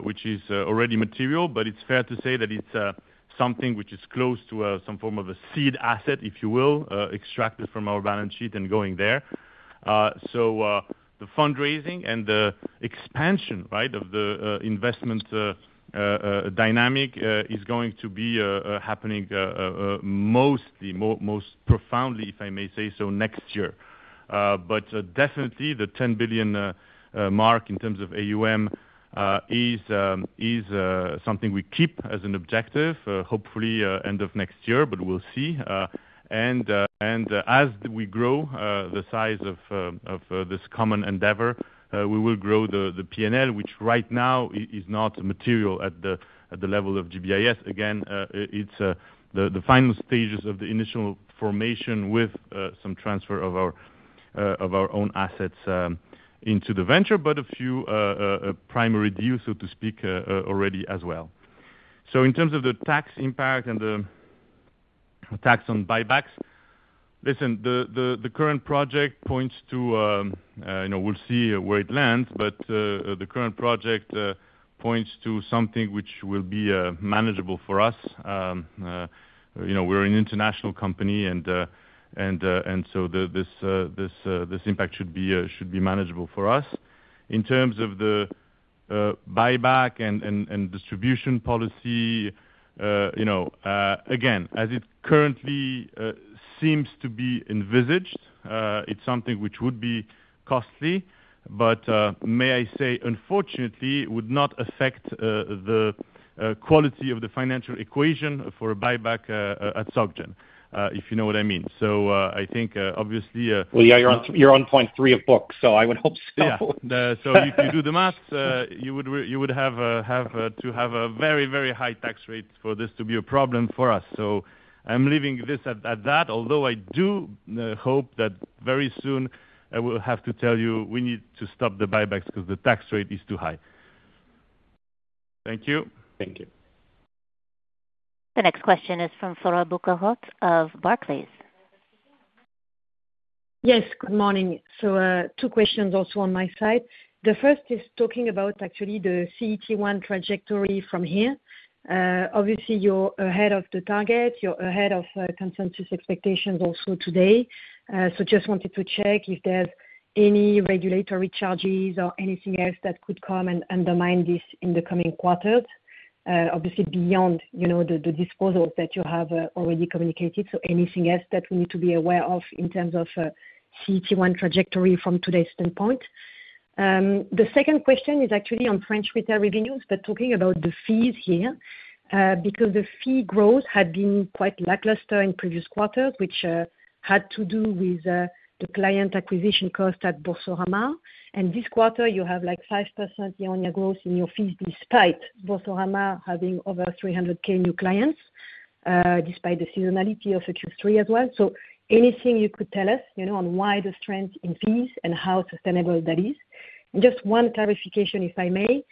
which is already material. But it's fair to say that it's something which is close to some form of a seed asset, if you will, extracted from our balance sheet and going there. So the fundraising and the expansion, right, of the investment dynamic is going to be happening mostly, most profoundly, if I may say so, next year. But definitely, the 10 billion mark in terms of AUM is something we keep as an objective, hopefully end of next year, but we'll see. And as we grow the size of this common endeavor, we will grow the P&L, which right now is not material at the level of GBIS. Again, it's the final stages of the initial formation with some transfer of our own assets into the venture, but a few primary deals, so to speak, already as well. So in terms of the tax impact and the tax on buybacks, listen, the current project points to we'll see where it lands, but the current project points to something which will be manageable for us. We're an international company, and so this impact should be manageable for us. In terms of the buyback and distribution policy, again, as it currently seems to be envisaged, it's something which would be costly. But may I say, unfortunately, it would not affect the quality of the financial equation for a buyback at Sogen, if you know what I mean. So I think, obviously. Well, yeah, you're on point three of books. So I would hope so. So if you do the math, you would have to have a very, very high tax rate for this to be a problem for us. So I'm leaving this at that, although I do hope that very soon I will have to tell you we need to stop the buybacks because the tax rate is too high. Thank you. Thank you. The next question is from Flora Bocahut of Barclays. Yes. Good morning. So two questions also on my side. The first is talking about actually the CET1 trajectory from here. Obviously, you're ahead of the target. You're ahead of consensus expectations also today. So just wanted to check if there's any regulatory charges or anything else that could come and undermine this in the coming quarters, obviously beyond the disposals that you have already communicated. So anything else that we need to be aware of in terms of CET1 trajectory from today's standpoint? The second question is actually on French retail revenues, but talking about the fees here, because the fee growth had been quite lackluster in previous quarters, which had to do with the client acquisition cost at Boursorama. And this quarter, you have like 5% year-on-year growth in your fees despite Boursorama having over 300K new clients, despite the seasonality of Q3 as well. So anything you could tell us on why the strength in fees and how sustainable that is? Just one clarification, if I may.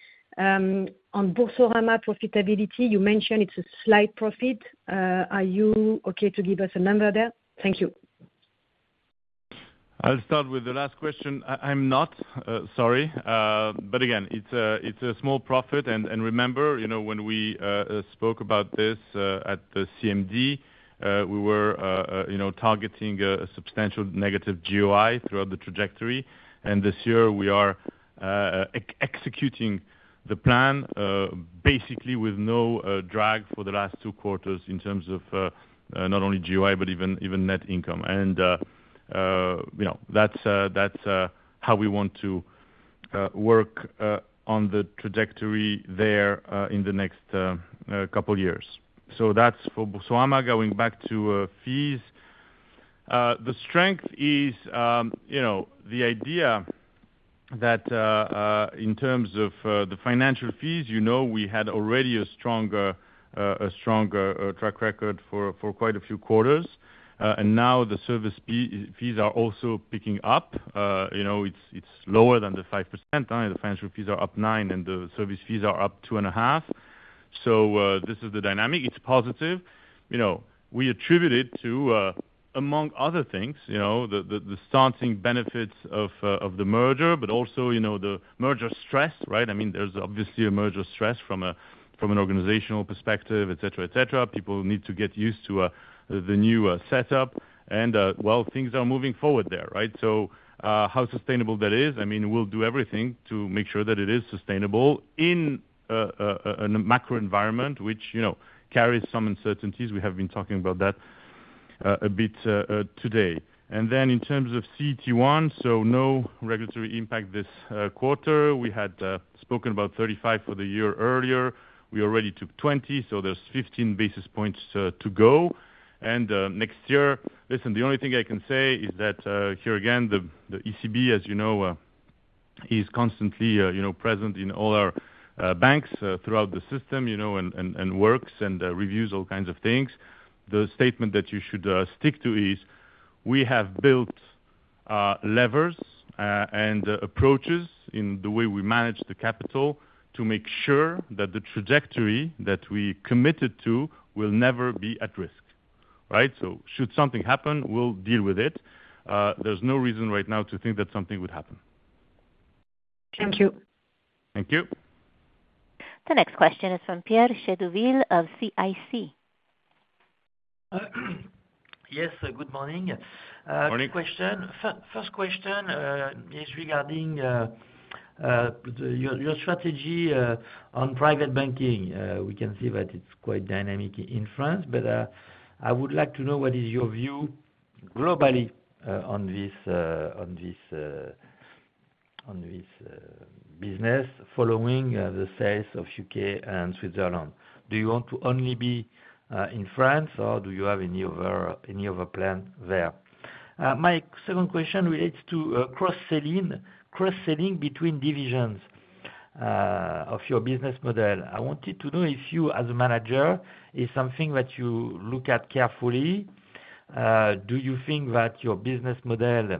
On Boursorama profitability, you mentioned it's a slight profit. Are you okay to give us a number there? Thank you. I'll start with the last question. I'm not, sorry. But again, it's a small profit. Remember, when we spoke about this at the CMD, we were targeting a substantial negative GOI throughout the trajectory. This year, we are executing the plan basically with no drag for the last two quarters in terms of not only GOI, but even net income. That's how we want to work on the trajectory there in the next couple of years. I'm going back to fees. The strength is the idea that in terms of the financial fees, we had already a stronger track record for quite a few quarters. Now the service fees are also picking up. It's lower than the 5%. The financial fees are up 9%, and the service fees are up 2.5%. So this is the dynamic. It's positive. We attribute it to, among other things, the starting benefits of the merger, but also the merger stress, right? I mean, there's obviously a merger stress from an organizational perspective, etc., etc. People need to get used to the new setup. Well, things are moving forward there, right? So how sustainable that is, I mean, we'll do everything to make sure that it is sustainable in a macro environment, which carries some uncertainties. We have been talking about that a bit today. Then in terms of CET1, so no regulatory impact this quarter. We had spoken about 35 for the year earlier. We already took 20. So there's 15 basis points to go. Next year, listen, the only thing I can say is that here again, the ECB, as you know, is constantly present in all our banks throughout the system and works and reviews all kinds of things. The statement that you should stick to is we have built levers and approaches in the way we manage the capital to make sure that the trajectory that we committed to will never be at risk, right? So should something happen, we'll deal with it. There's no reason right now to think that something would happen. Thank you. Thank you. The next question is from Pierre Chedeville of CIC. Yes. Good morning. Good morning. First question is regarding your strategy on private banking. We can see that it's quite dynamic in France. But I would like to know what is your view globally on this business following the sales of UK and Switzerland? Do you want to only be in France, or do you have any other plan there? My second question relates to cross-selling between divisions of your business model. I wanted to know if you, as a manager, is something that you look at carefully. Do you think that your business model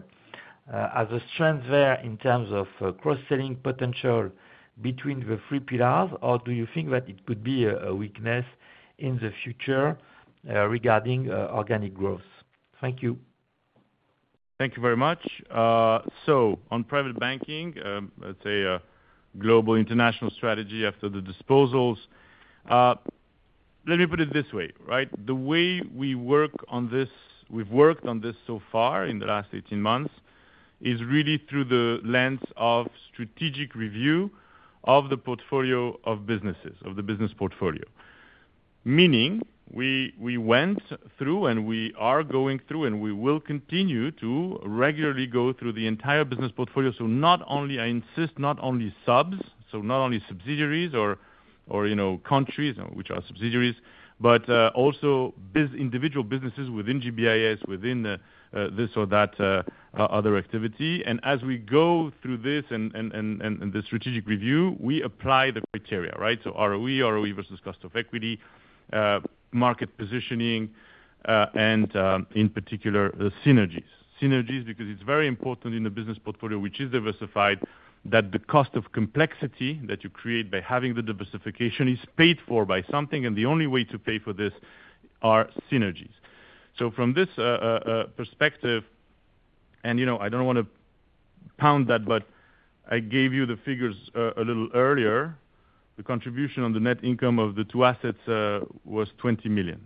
has a strength there in terms of cross-selling potential between the three pillars, or do you think that it could be a weakness in the future regarding organic growth? Thank you. Thank you very much. So on private banking, let's say global international strategy after the disposals, let me put it this way, right? The way we work on this, we've worked on this so far in the last 18 months, is really through the lens of strategic review of the portfolio of businesses, of the business portfolio. Meaning we went through and we are going through and we will continue to regularly go through the entire business portfolio. So not only, I insist, not only subs, so not only subsidiaries or countries which are subsidiaries, but also individual businesses within GBIS, within this or that other activity. And as we go through this and the strategic review, we apply the criteria, right? So ROE, ROE versus cost of equity, market positioning, and in particular, the synergies. Synergies because it's very important in the business portfolio, which is diversified, that the cost of complexity that you create by having the diversification is paid for by something. And the only way to pay for this are synergies. So from this perspective, and I don't want to pound that, but I gave you the figures a little earlier. The contribution on the net income of the two assets was 20 million.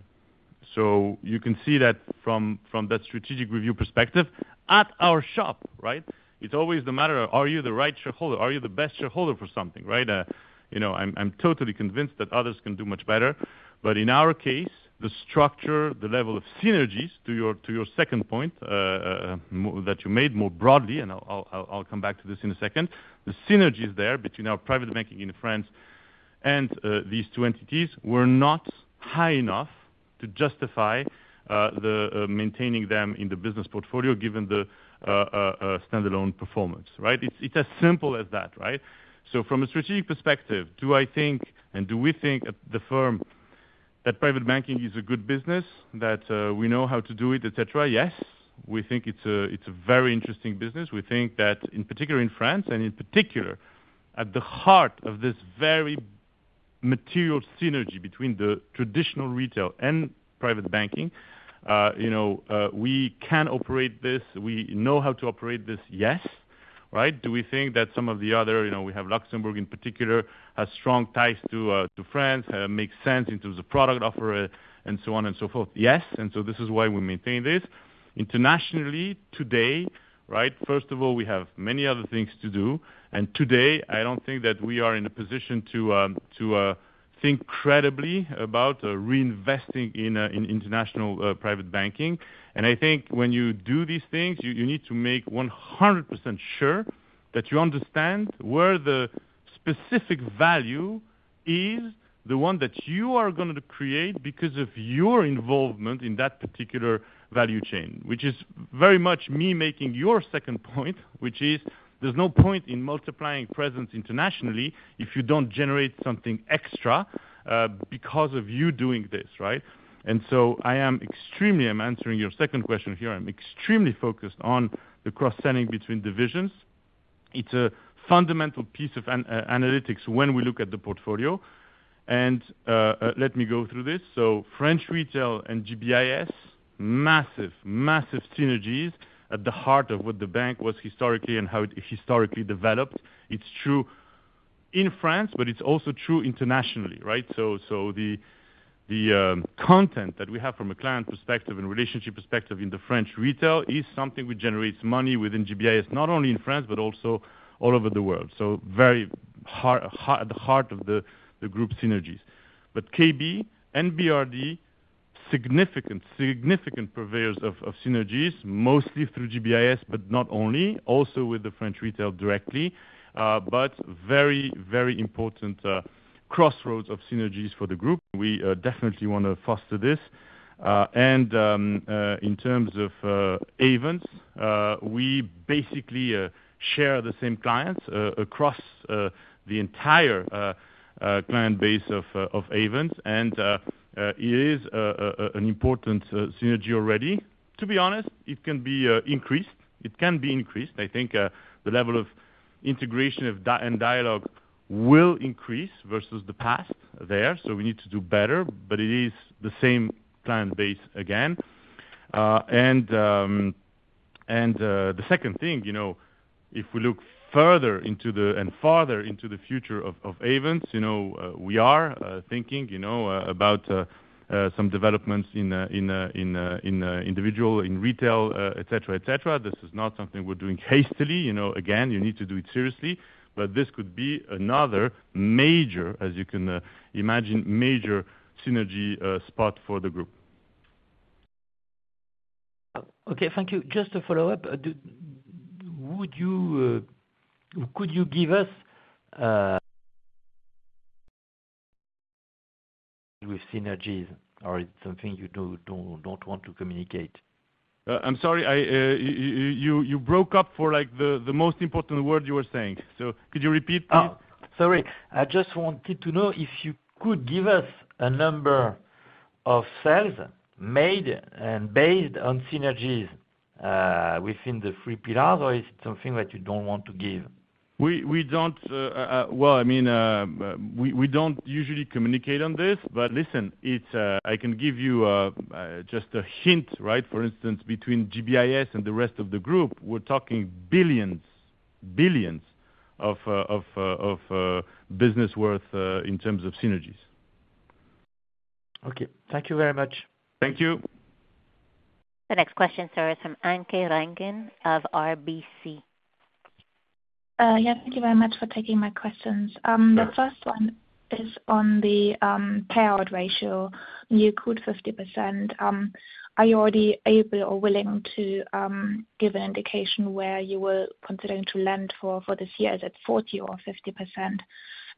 So you can see that from that strategic review perspective at our shop, right? It's always the matter, are you the right shareholder? Are you the best shareholder for something, right? I'm totally convinced that others can do much better. But in our case, the structure, the level of synergies to your second point that you made more broadly, and I'll come back to this in a second, the synergies there between our private banking in France and these two entities were not high enough to justify maintaining them in the business portfolio given the standalone performance, right? It's as simple as that, right? So from a strategic perspective, do I think and do we think at the firm that private banking is a good business, that we know how to do it, etc.? Yes. We think it's a very interesting business. We think that in particular in France and in particular at the heart of this very material synergy between the traditional retail and private banking, we can operate this. We know how to operate this. Yes. Right? Do we think that some of the other, we have Luxembourg in particular, has strong ties to France, makes sense in terms of product offer and so on and so forth? Yes. And so this is why we maintain this. Internationally today, right? First of all, we have many other things to do. And today, I don't think that we are in a position to think credibly about reinvesting in international private banking. And I think when you do these things, you need to make 100% sure that you understand where the specific value is, the one that you are going to create because of your involvement in that particular value chain, which is very much me making your second point, which is there's no point in multiplying presence internationally if you don't generate something extra because of you doing this, right? And so I am extremely. I'm answering your second question here. I'm extremely focused on the cross-selling between divisions. It's a fundamental piece of analytics when we look at the portfolio. And let me go through this. So French retail and GBIS, massive, massive synergies at the heart of what the bank was historically and how it historically developed. It's true in France, but it's also true internationally, right? So the content that we have from a client perspective and relationship perspective in the French retail is something which generates money within GBIS, not only in France, but also all over the world. So very at the heart of the group synergies. But KB and BRD, significant, significant purveyors of synergies, mostly through GBIS, but not only, also with the French retail directly, but very, very important crossroads of synergies for the group. We definitely want to foster this. And in terms of Ayvens, we basically share the same clients across the entire client base of Ayvens. And it is an important synergy already. To be honest, it can be increased. It can be increased. I think the level of integration and dialogue will increase versus the past there. So we need to do better, but it is the same client base again. The second thing, if we look further into the and farther into the future of Ayvens, we are thinking about some developments in individual, in retail, etc., etc. This is not something we're doing hastily. Again, you need to do it seriously. But this could be another major, as you can imagine, major synergy spot for the group. Okay. Thank you. Just to follow up, could you give us with synergies, or is it something you don't want to communicate? I'm sorry, you broke up for the most important word you were saying. So could you repeat, please? Sorry. I just wanted to know if you could give us a number of sales made and based on synergies within the three pillars, or is it something that you don't want to give? We don't. Well, I mean, we don't usually communicate on this, but listen, I can give you just a hint, right? For instance, between GBIS and the rest of the group, we're talking billions, billions of business worth in terms of synergies. Okay. Thank you very much. Thank you. The next question, sir, is from Anke Reingen of RBC. Yeah. Thank you very much for taking my questions. The first one is on the payout ratio. You guided 50%. Are you already able or willing to give an indication where you were considering to land for this year? Is it 40 or 50%?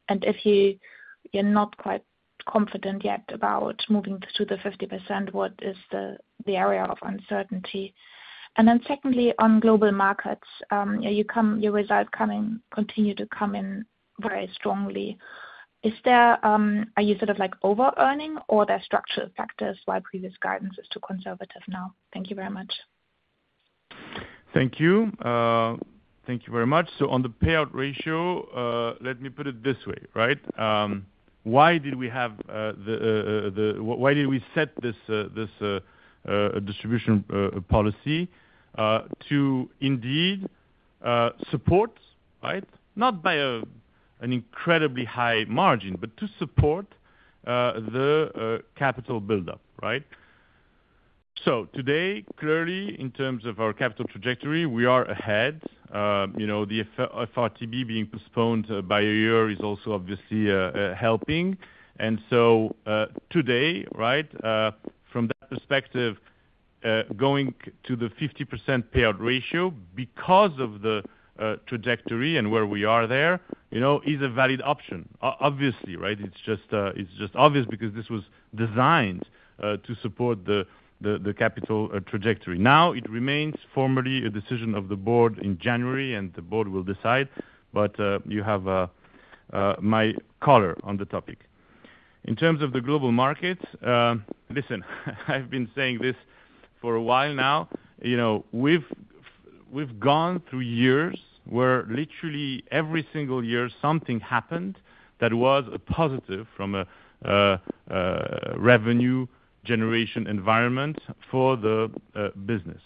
And if you're not quite confident yet about moving to the 50%, what is the area of uncertainty? And then secondly, on global markets, your results continue to come in very strongly. Are you sort of over-earning or there are structural factors why previous guidance is too conservative now? Thank you very much. Thank you. Thank you very much. So on the payout ratio, let me put it this way, right? Why did we set this distribution policy to indeed support, right? Not by an incredibly high margin, but to support the capital buildup, right? So today, clearly, in terms of our capital trajectory, we are ahead. The FRTB being postponed by a year is also obviously helping. And so today, right, from that perspective, going to the 50% payout ratio because of the trajectory and where we are, there is a valid option, obviously, right? It's just obvious because this was designed to support the capital trajectory. Now, it remains formally a decision of the board in January, and the board will decide, but you have my color on the topic. In terms of the global markets, listen, I've been saying this for a while now. We've gone through years where literally every single year something happened that was a positive from a revenue generation environment for the business.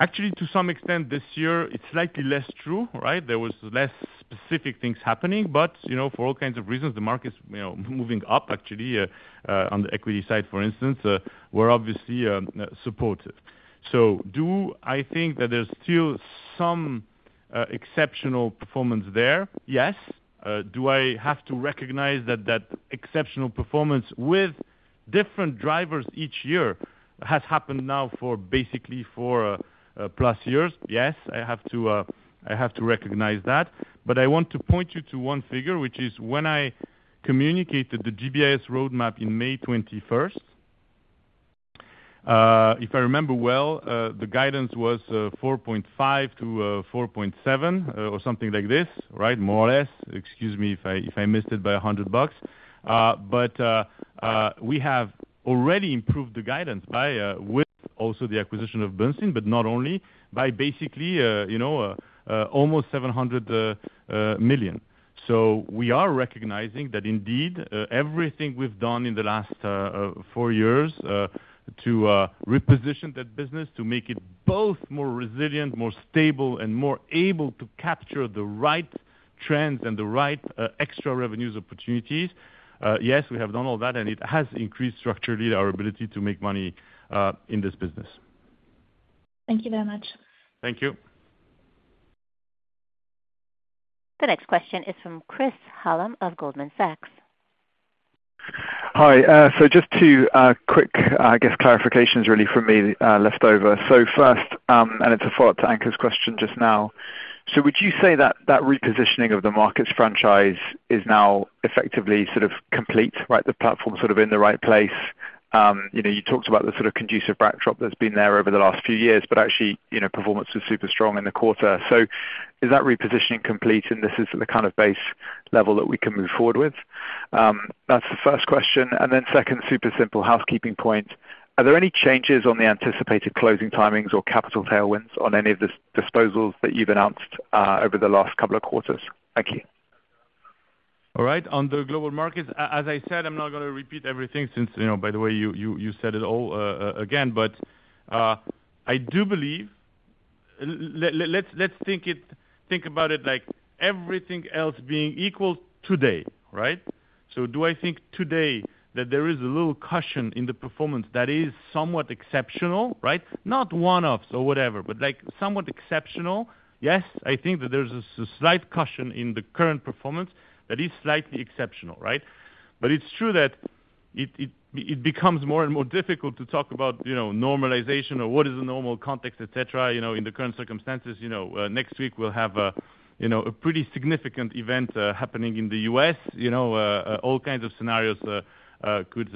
Actually, to some extent this year, it's slightly less true, right? There were less specific things happening, but for all kinds of reasons, the market's moving up, actually, on the equity side, for instance, where obviously supportive. So do I think that there's still some exceptional performance there? Yes. Do I have to recognize that that exceptional performance with different drivers each year has happened now for basically plus years? Yes, I have to recognize that. But I want to point you to one figure, which is when I communicated the GBIS roadmap in May 2021, if I remember well, the guidance was 4.5-4.7 or something like this, right? More or less. Excuse me if I missed it by $100. But we have already improved the guidance with also the acquisition of Bernstein, but not only, by basically almost 700 million. So we are recognizing that indeed everything we've done in the last four years to reposition that business, to make it both more resilient, more stable, and more able to capture the right trends and the right extra revenues opportunities. Yes, we have done all that, and it has increased structurally our ability to make money in this business. Thank you very much. Thank you. The next question is from Chris Hallam of Goldman Sachs. Hi. So just two quick, I guess, clarifications really for me left over. So first, and it's a follow-up to Anke's question just now. So would you say that that repositioning of the markets franchise is now effectively sort of complete, right? The platform's sort of in the right place. You talked about the sort of conducive backdrop that's been there over the last few years, but actually performance was super strong in the quarter. So is that repositioning complete? And this is the kind of base level that we can move forward with? That's the first question. And then second, super simple housekeeping point. Are there any changes on the anticipated closing timings or capital tailwinds on any of the disposals that you've announced over the last couple of quarters? Thank you. All right. On the global markets, as I said, I'm not going to repeat everything since, by the way, you said it all again, but I do believe let's think about it like everything else being equal today, right? So do I think today that there is a little cushion in the performance that is somewhat exceptional, right? Not one-offs or whatever, but somewhat exceptional? Yes, I think that there's a slight cushion in the current performance that is slightly exceptional, right, but it's true that it becomes more and more difficult to talk about normalization or what is the normal context, etc. In the current circumstances, next week we'll have a pretty significant event happening in the U.S. All kinds of scenarios could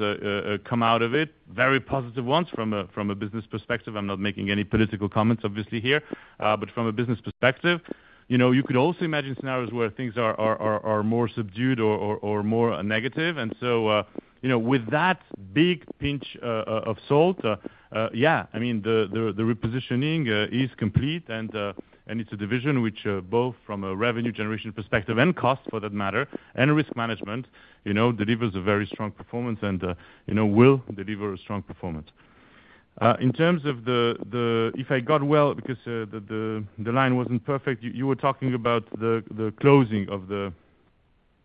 come out of it, very positive ones from a business perspective. I'm not making any political comments, obviously, here, but from a business perspective. You could also imagine scenarios where things are more subdued or more negative, and so with that big pinch of salt, yeah, I mean, the repositioning is complete, and it's a division which both from a revenue generation perspective and cost for that matter and risk management delivers a very strong performance and will deliver a strong performance. In terms of the if I got well because the line wasn't perfect, you were talking about the closing of the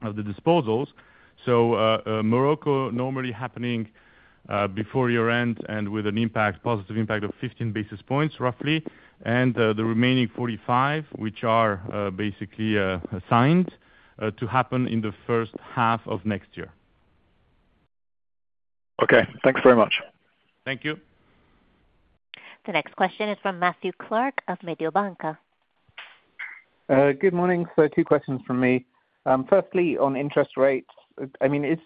disposals. So Morocco normally happening before year-end and with an impact, positive impact of 15 basis points roughly, and the remaining 45, which are basically assigned to happen in the first half of next year. Okay. Thanks very much. Thank you. The next question is from Matthew Clark of Mediobanca. Good morning, so two questions from me. Firstly, on interest rates, I mean, is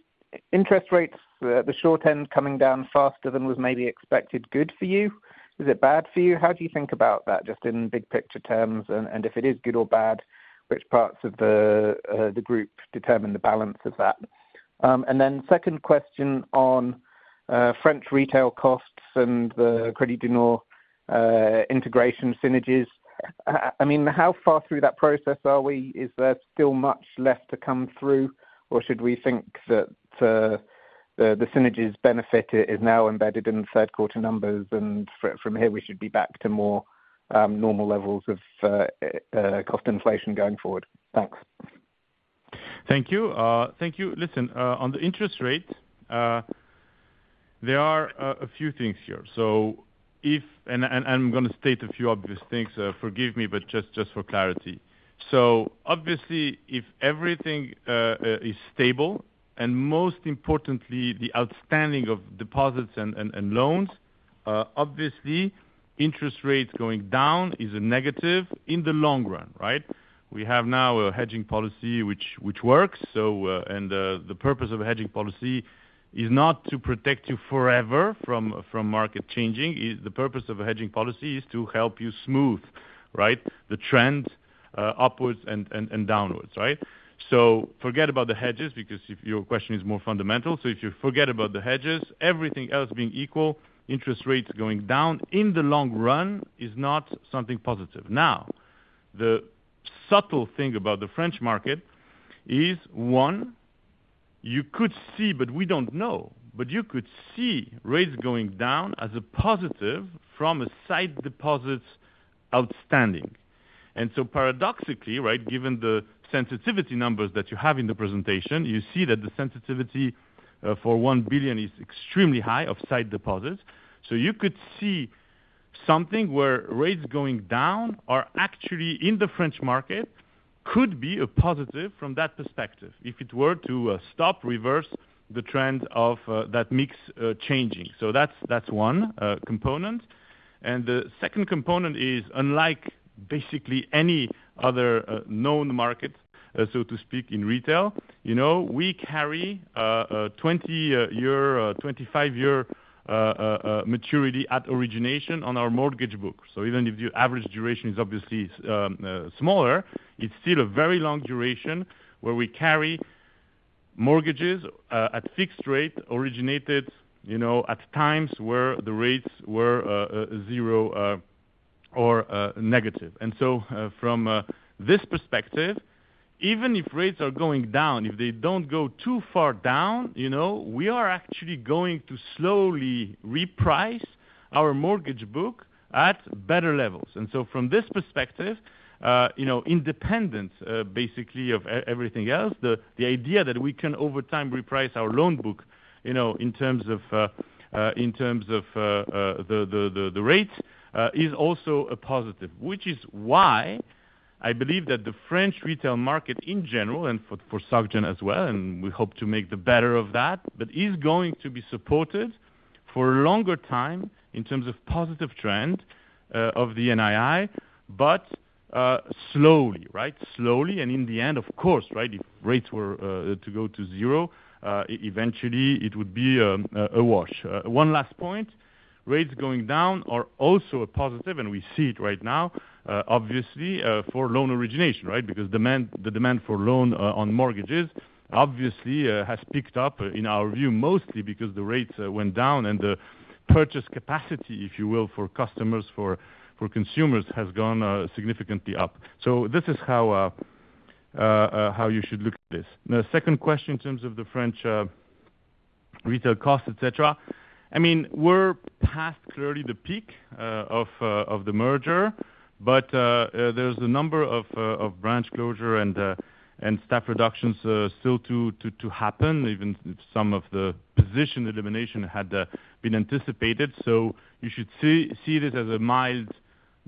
interest rates, the short end coming down faster than was maybe expected, good for you? Is it bad for you? How do you think about that just in big picture terms? And if it is good or bad, which parts of the group determine the balance of that? And then second question on French retail costs and the Crédit du Nord integration synergies. I mean, how far through that process are we? Is there still much left to come through, or should we think that the synergies benefit is now embedded in the third quarter numbers, and from here we should be back to more normal levels of cost inflation going forward? Thanks. Thank you. Thank you. Listen, on the interest rate, there are a few things here. And I'm going to state a few obvious things. Forgive me, but just for clarity. So obviously, if everything is stable and most importantly, the outstanding of deposits and loans, obviously, interest rates going down is a negative in the long run, right? We have now a hedging policy which works. And the purpose of a hedging policy is not to protect you forever from market changing. The purpose of a hedging policy is to help you smooth, right, the trend upwards and downwards, right? So forget about the hedges because your question is more fundamental. So if you forget about the hedges, everything else being equal, interest rates going down in the long run is not something positive. Now, the subtle thing about the French market is, one, you could see, but we don't know, but you could see rates going down as a positive from sight deposits outstanding. And so paradoxically, right, given the sensitivity numbers that you have in the presentation, you see that the sensitivity for one billion is extremely high of sight deposits. So you could see something where rates going down are actually in the French market could be a positive from that perspective if it were to stop, reverse the trend of that mix changing. So that's one component. And the second component is, unlike basically any other known market, so to speak, in retail, we carry 20-year, 25-year maturity at origination on our mortgage book. So even if the average duration is obviously smaller, it's still a very long duration where we carry mortgages at fixed rate originated at times where the rates were zero or negative. And so from this perspective, even if rates are going down, if they don't go too far down, we are actually going to slowly reprice our mortgage book at better levels. And so from this perspective, independent basically of everything else, the idea that we can over time reprice our loan book in terms of in terms of the rate is also a positive, which is why I believe that the French retail market in general and for Société Générale as well, and we hope to make the best of that, but is going to be supported for a longer time in terms of positive trend of the NII, but slowly, right? Slowly. And in the end, of course, right, if rates were to go to zero, eventually it would be a wash. One last point, rates going down are also a positive, and we see it right now, obviously, for loan origination, right? Because the demand for loan on mortgages obviously has picked up in our view mostly because the rates went down and the purchase capacity, if you will, for customers, for consumers has gone significantly up. So this is how you should look at this. The second question in terms of the French retail cost, etc. I mean, we're past clearly the peak of the merger, but there's a number of branch closure and staff reductions still to happen, even if some of the position elimination had been anticipated. So you should see this as a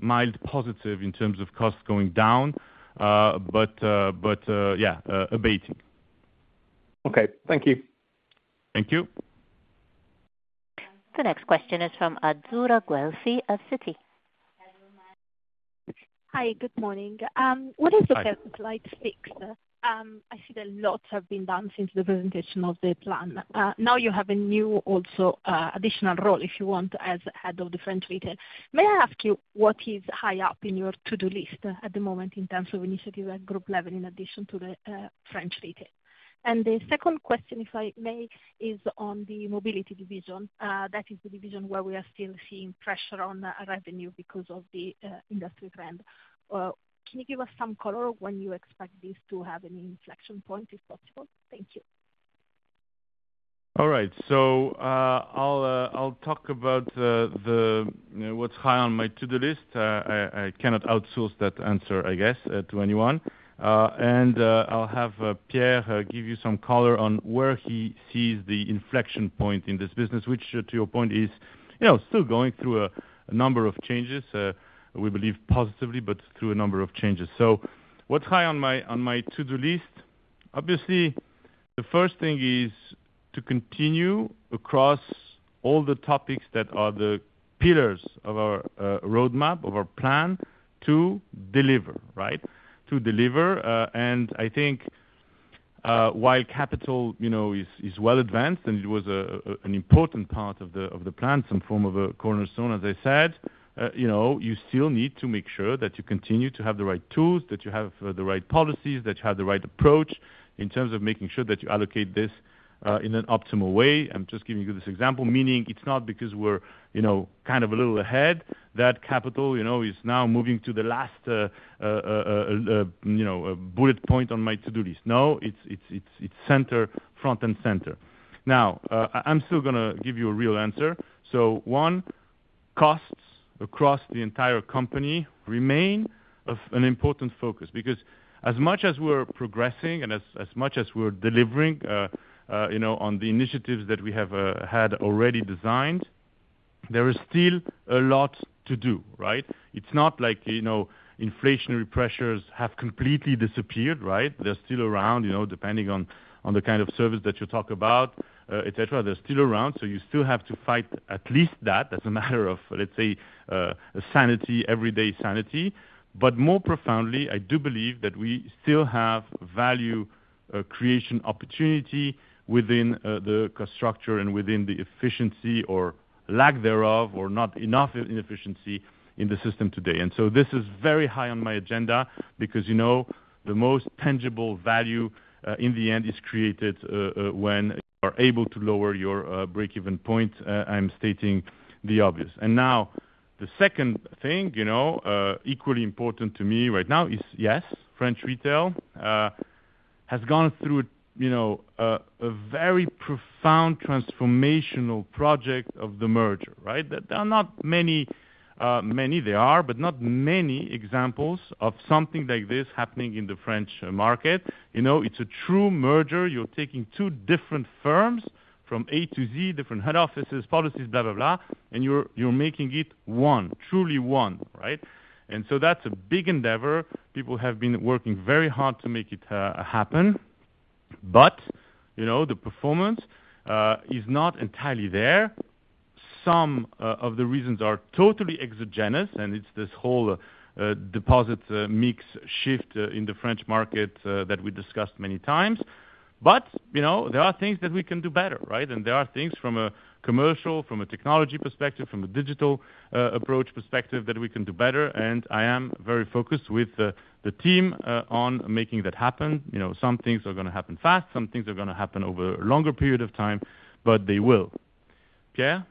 mild positive in terms of costs going down, but yeah, abating. Okay. Thank you. Thank you. The next question is from Azzurra Guelfi of Citi. Hi, good morning. What is the slight fix? I see that lots have been done since the presentation of the plan. Now you have a new also additional role if you want as head of the French retail. May I ask you what is high up in your to-do list at the moment in terms of initiative at group level in addition to the French retail? And the second question, if I may, is on the mobility division. That is the division where we are still seeing pressure on revenue because of the industry trend. Can you give us some color when you expect this to have any inflection point if possible? Thank you. All right, so I'll talk about what's high on my to-do list. I cannot outsource that answer, I guess, to anyone, and I'll have Pierre give you some color on where he sees the inflection point in this business, which to your point is still going through a number of changes. We believe positively, but through a number of changes. So what's high on my to-do list? Obviously, the first thing is to continue across all the topics that are the pillars of our roadmap, of our plan to deliver, right? To deliver. And I think while capital is well advanced and it was an important part of the plan, some form of a cornerstone, as I said, you still need to make sure that you continue to have the right tools, that you have the right policies, that you have the right approach in terms of making sure that you allocate this in an optimal way. I'm just giving you this example, meaning it's not because we're kind of a little ahead that capital is now moving to the last bullet point on my to-do list. No, it's center, front and center. Now, I'm still going to give you a real answer. So one, costs across the entire company remain an important focus because as much as we're progressing and as much as we're delivering on the initiatives that we have had already designed, there is still a lot to do, right? It's not like inflationary pressures have completely disappeared, right? They're still around depending on the kind of service that you talk about, etc. They're still around. So you still have to fight at least that. That's a matter of, let's say, sanity, everyday sanity. But more profoundly, I do believe that we still have value creation opportunity within the cost structure and within the efficiency or lack thereof or not enough inefficiency in the system today. And so this is very high on my agenda because the most tangible value in the end is created when you are able to lower your break-even point. I'm stating the obvious. And now the second thing equally important to me right now is, yes, French retail has gone through a very profound transformational project of the merger, right? There are not many, many there are, but not many examples of something like this happening in the French market. It's a true merger. You're taking two different firms from A to Z, different head offices, policies, blah, blah, blah, and you're making it one, truly one, right? And so that's a big endeavor. People have been working very hard to make it happen. But the performance is not entirely there. Some of the reasons are totally exogenous, and it's this whole deposit mix shift in the French market that we discussed many times. But there are things that we can do better, right? And there are things from a commercial, from a technology perspective, from a digital approach perspective that we can do better. And I am very focused with the team on making that happen. Some things are going to happen fast. Some things are going to happen over a longer period of time, but they will. Pierre?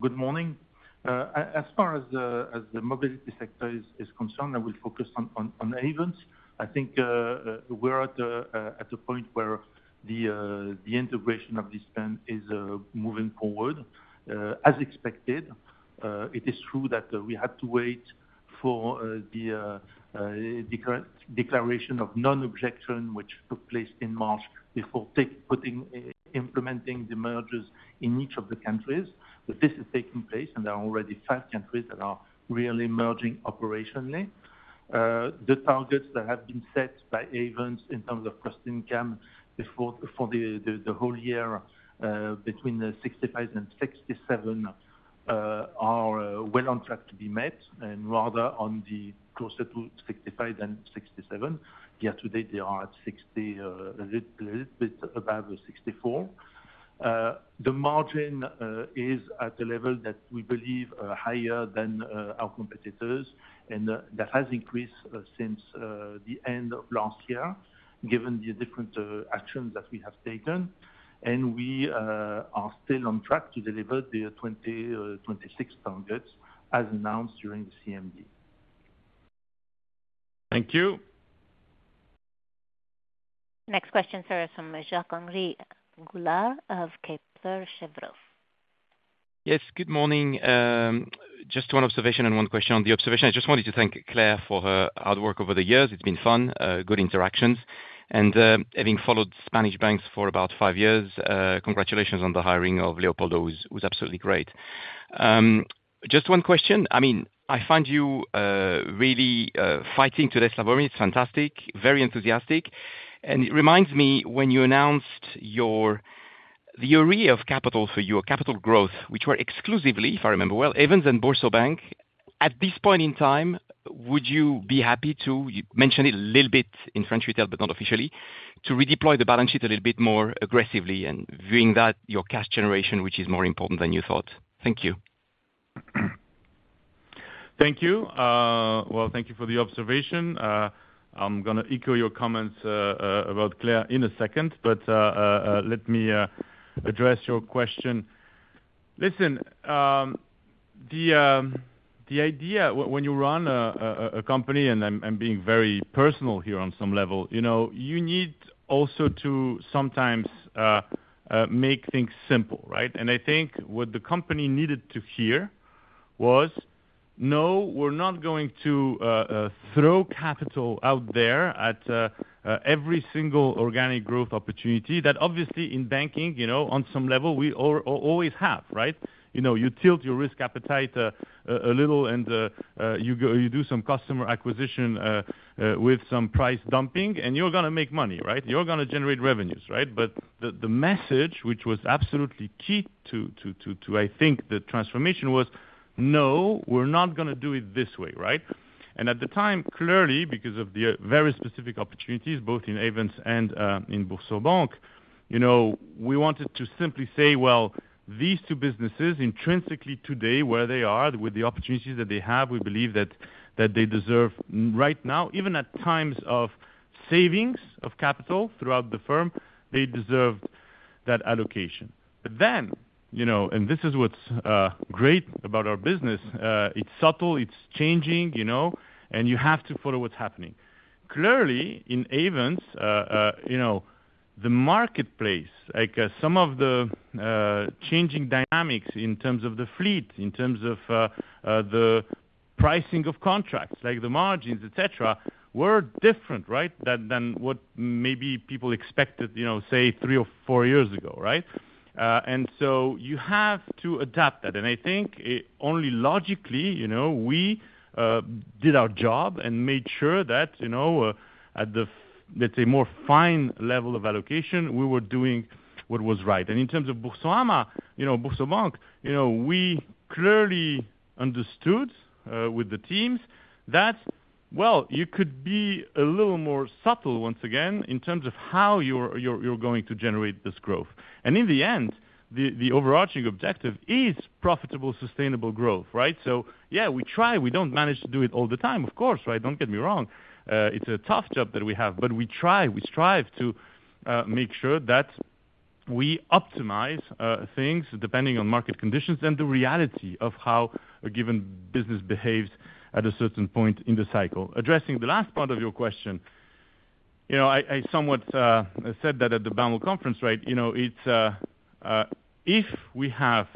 Good morning. As far as the mobility sector is concerned, I will focus on Ayvens. I think we're at a point where the integration of this plan is moving forward as expected. It is true that we had to wait for the declaration of non-objection, which took place in March before implementing the mergers in each of the countries. But this is taking place, and there are already five countries that are really merging operationally. The targets that have been set by Ayvens in terms of cost income for the whole year between 65% and 67% are well on track to be met, and rather on the closer to 65% than 67%. Yet today, they are at 60%, a little bit above 64%. The margin is at a level that we believe higher than our competitors, and that has increased since the end of last year given the different actions that we have taken. And we are still on track to deliver the 2026 targets as announced during the CMD. Thank you. Next question, sir, is from Jacques-Henri Gaulard of Kepler Cheuvreux. Yes, good morning. Just one observation and one question. On the observation, I just wanted to thank Claire for her hard work over the years. It's been fun, good interactions. And having followed Spanish banks for about five years, congratulations on the hiring of Leopoldo, who's absolutely great. Just one question. I mean, I find you really fighting to the Slawomir. It's fantastic, very enthusiastic. And it reminds me when you announced the allocation of capital for your capital growth, which were exclusively, if I remember well, Ayvens and BoursoBank, at this point in time, would you be happy to mention it a little bit in French retail, but not officially, to redeploy the balance sheet a little bit more aggressively and viewing that your cash generation, which is more important than you thought? Thank you. Thank you. Well, thank you for the observation. I'm going to echo your comments about Claire in a second, but let me address your question. Listen, the idea when you run a company, and I'm being very personal here on some level, you need also to sometimes make things simple, right? And I think what the company needed to hear was, no, we're not going to throw capital out there at every single organic growth opportunity that obviously in banking, on some level, we always have, right? You tilt your risk appetite a little and you do some customer acquisition with some price dumping and you're going to make money, right? You're going to generate revenues, right? But the message, which was absolutely key to, I think, the transformation was, no, we're not going to do it this way, right? At the time, clearly, because of the very specific opportunities, both in Ayvens and in BoursoBank, we wanted to simply say, well, these two businesses intrinsically today where they are with the opportunities that they have, we believe that they deserve right now, even at times of savings of capital throughout the firm, they deserved that allocation. But then, and this is what's great about our business, it's subtle, it's changing, and you have to follow what's happening. Clearly, in Ayvens, the marketplace, some of the changing dynamics in terms of the fleet, in terms of the pricing of contracts, like the margins, etc., were different, right, than what maybe people expected, say, three or four years ago, right? So you have to adapt that. I think only logically, we did our job and made sure that at the, let's say, more fine level of allocation, we were doing what was right. In terms of Boursorama, BoursoBank, we clearly understood with the teams that, well, you could be a little more subtle once again in terms of how you're going to generate this growth. In the end, the overarching objective is profitable, sustainable growth, right? Yeah, we try. We don't manage to do it all the time, of course, right? Don't get me wrong. It's a tough job that we have, but we try. We strive to make sure that we optimize things depending on market conditions and the reality of how a given business behaves at a certain point in the cycle. Addressing the last part of your question, I somewhat said that at the Barclays Conference, right? If we have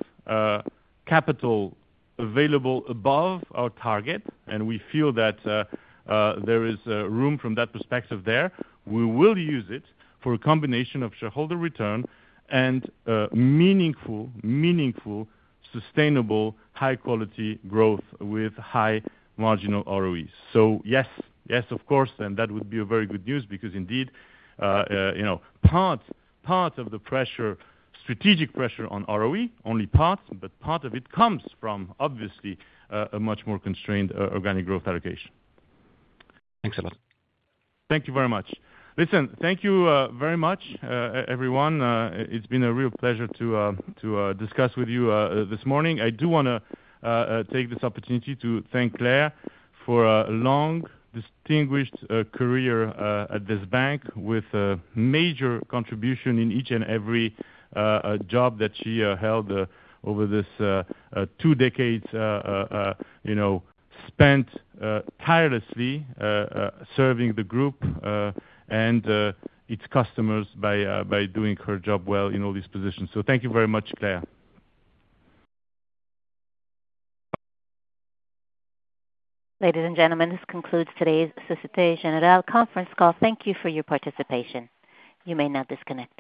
capital available above our target and we feel that there is room from that perspective there, we will use it for a combination of shareholder return and meaningful, meaningful, sustainable, high-quality growth with high marginal ROEs. So yes, yes, of course, and that would be very good news because indeed, part of the pressure, strategic pressure on ROE, only part, but part of it comes from obviously a much more constrained organic growth allocation. Thanks a lot. Thank you very much. Listen, thank you very much, everyone. It's been a real pleasure to discuss with you this morning. I do want to take this opportunity to thank Claire for a long, distinguished career at this bank with a major contribution in each and every job that she held over these two decades spent tirelessly serving the group and its customers by doing her job well in all these positions. So thank you very much, Claire. Ladies and gentlemen, this concludes today's Société Générale conference call. Thank you for your participation. You may now disconnect.